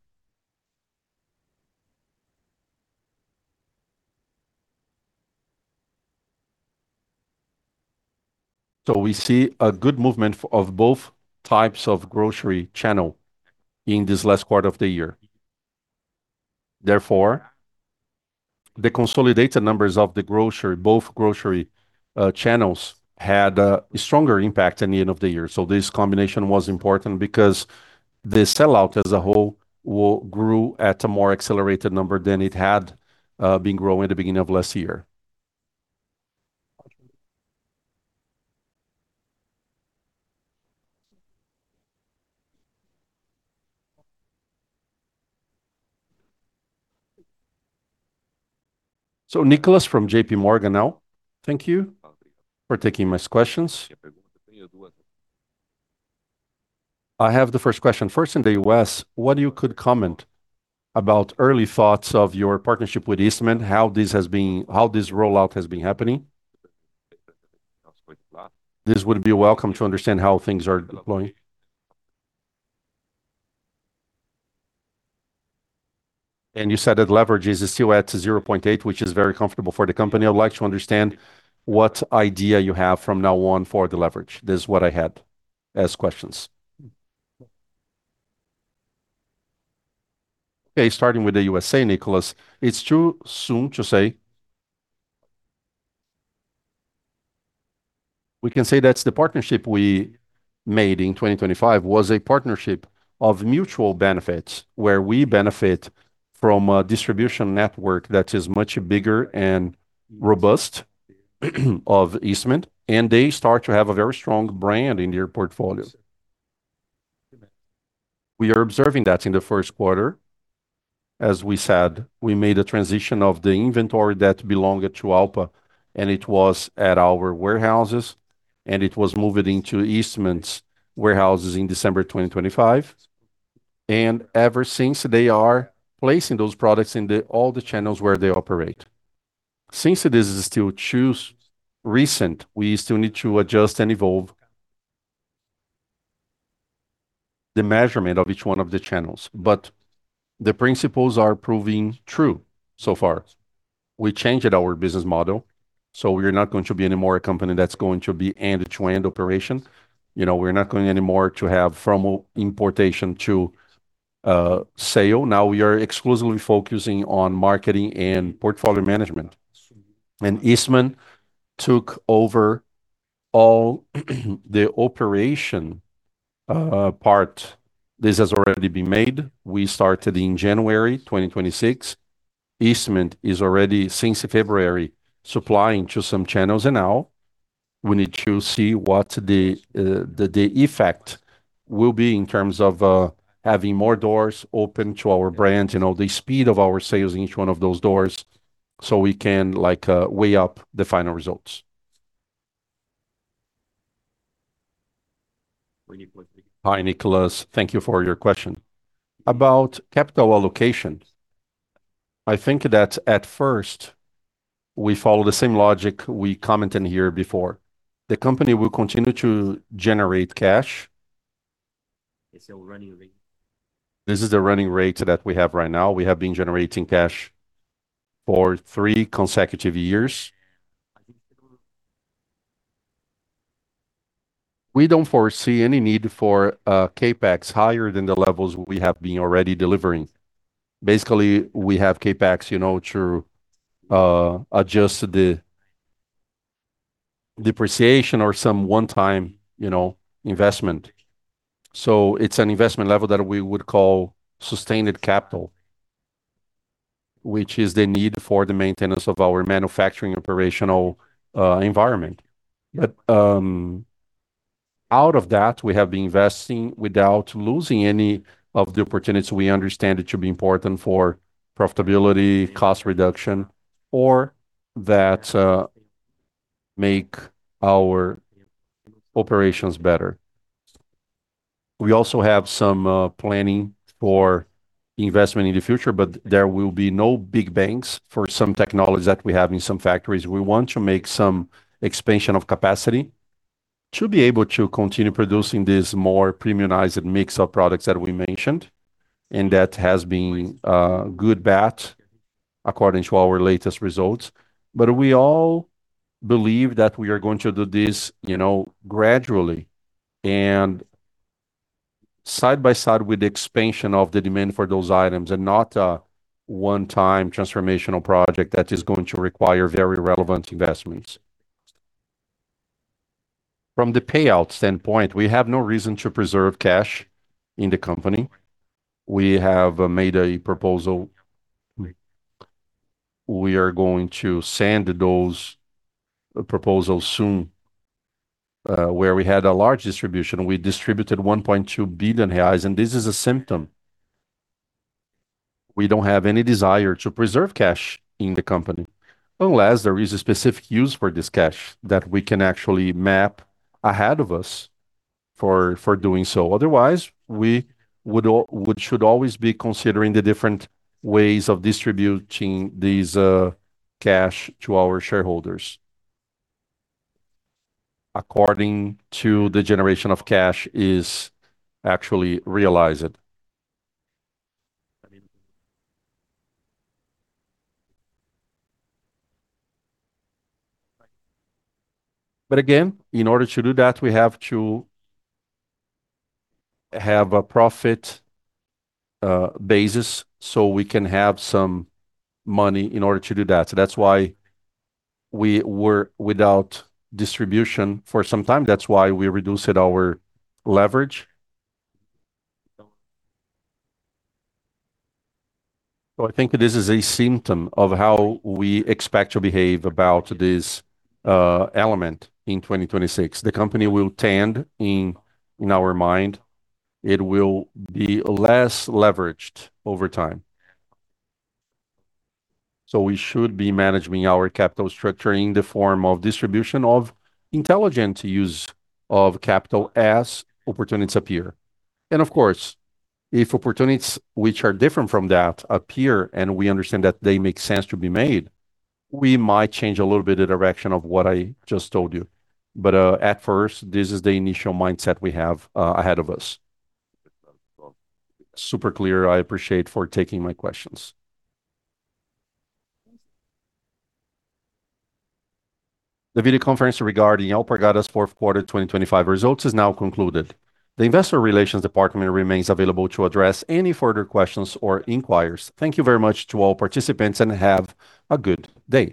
We see a good movement of both types of grocery channel in this last quarter of the year. Therefore, the consolidated numbers of the grocery, both grocery channels had a stronger impact in the end of the year. This combination was important because the sell-out as a whole will grew at a more accelerated number than it had been growing at the beginning of last year. Nicholas from JPMorgan now. Thank you for taking my questions. I have the first question. First in the U.S., what you could comment about early thoughts of your partnership with Eastman, how this rollout has been happening? This would be welcome to understand how things are deploying. You said that leverage is still at 0.8, which is very comfortable for the company. I'd like to understand what idea you have from now on for the leverage. This is what I had as questions. Okay, starting with the USA, Nicholas, it's too soon to say. We can say that's the partnership we made in 2025 was a partnership of mutual benefits, where we benefit from a distribution network that is much bigger and robust of Eastman, and they start to have a very strong brand in their portfolio. We are observing that in the first quarter. As we said, we made a transition of the inventory that belonged to Alpa, and it was at our warehouses, and it was moved into Eastman's warehouses in December 2025. Ever since, they are placing those products in the, all the channels where they operate. Since it is still too recent, we still need to adjust and evolve the measurement of each one of the channels. The principles are proving true so far. We changed our business model, so we're not going to be any more a company that's going to be end-to-end operation. You know, we're not going any more to have from importation to sale. Now we are exclusively focusing on marketing and portfolio management. Eastman took over all the operation part. This has already been made. We started in January 2026. Eastman is already, since February, supplying to some channels. Now we need to see what the effect will be in terms of having more doors open to our brands, you know, the speed of our sales in each one of those doors, so we can like weigh up the final results. Hi, Nicholas. Thank you for your question. About capital allocation, I think that at first we follow the same logic we commented here before. The company will continue to generate cash. This is the running rate that we have right now. We have been generating cash for three consecutive years. We don't foresee any need for CapEx higher than the levels we have been already delivering. Basically, we have CapEx, you know, to adjust the depreciation or some one-time, you know, investment. It's an investment level that we would call sustained capital, which is the need for the maintenance of our manufacturing operational environment. Out of that, we have been investing without losing any of the opportunities we understand it to be important for profitability, cost reduction or that make our operations better. We also have some planning for investment in the future, but there will be no big bangs for some technologies that we have in some factories. We want to make some expansion of capacity to be able to continue producing this more premiumized mix of products that we mentioned, and that has been good bet according to our latest results. We all believe that we are going to do this, you know, gradually and side by side with the expansion of the demand for those items and not a one-time transformational project that is going to require very relevant investments. From the payout standpoint, we have no reason to preserve cash in the company. We have made a proposal. We are going to send those proposals soon. Where we had a large distribution, we distributed 1.2 billion reais. This is a symptom. We don't have any desire to preserve cash in the company unless there is a specific use for this cash that we can actually map ahead of us for doing so. We should always be considering the different ways of distributing this cash to our shareholders. According to the generation of cash is actually realized. Again, in order to do that, we have to have a profit basis, so we can have some money in order to do that. That's why we were without distribution for some time. That's why we reduced our leverage. I think this is a symptom of how we expect to behave about this element in 2026. The company will tend in our mind, it will be less leveraged over time. We should be managing our capital structure in the form of distribution of intelligent use of capital as opportunities appear. Of course, if opportunities which are different from that appear and we understand that they make sense to be made, we might change a little bit the direction of what I just told you. At first, this is the initial mindset we have ahead of us. Super clear. I appreciate for taking my questions. The video conference regarding Alpargatas' fourth quarter 2025 results is now concluded. The investor relations department remains available to address any further questions or inquiries. Thank you very much to all participants, and have a good day.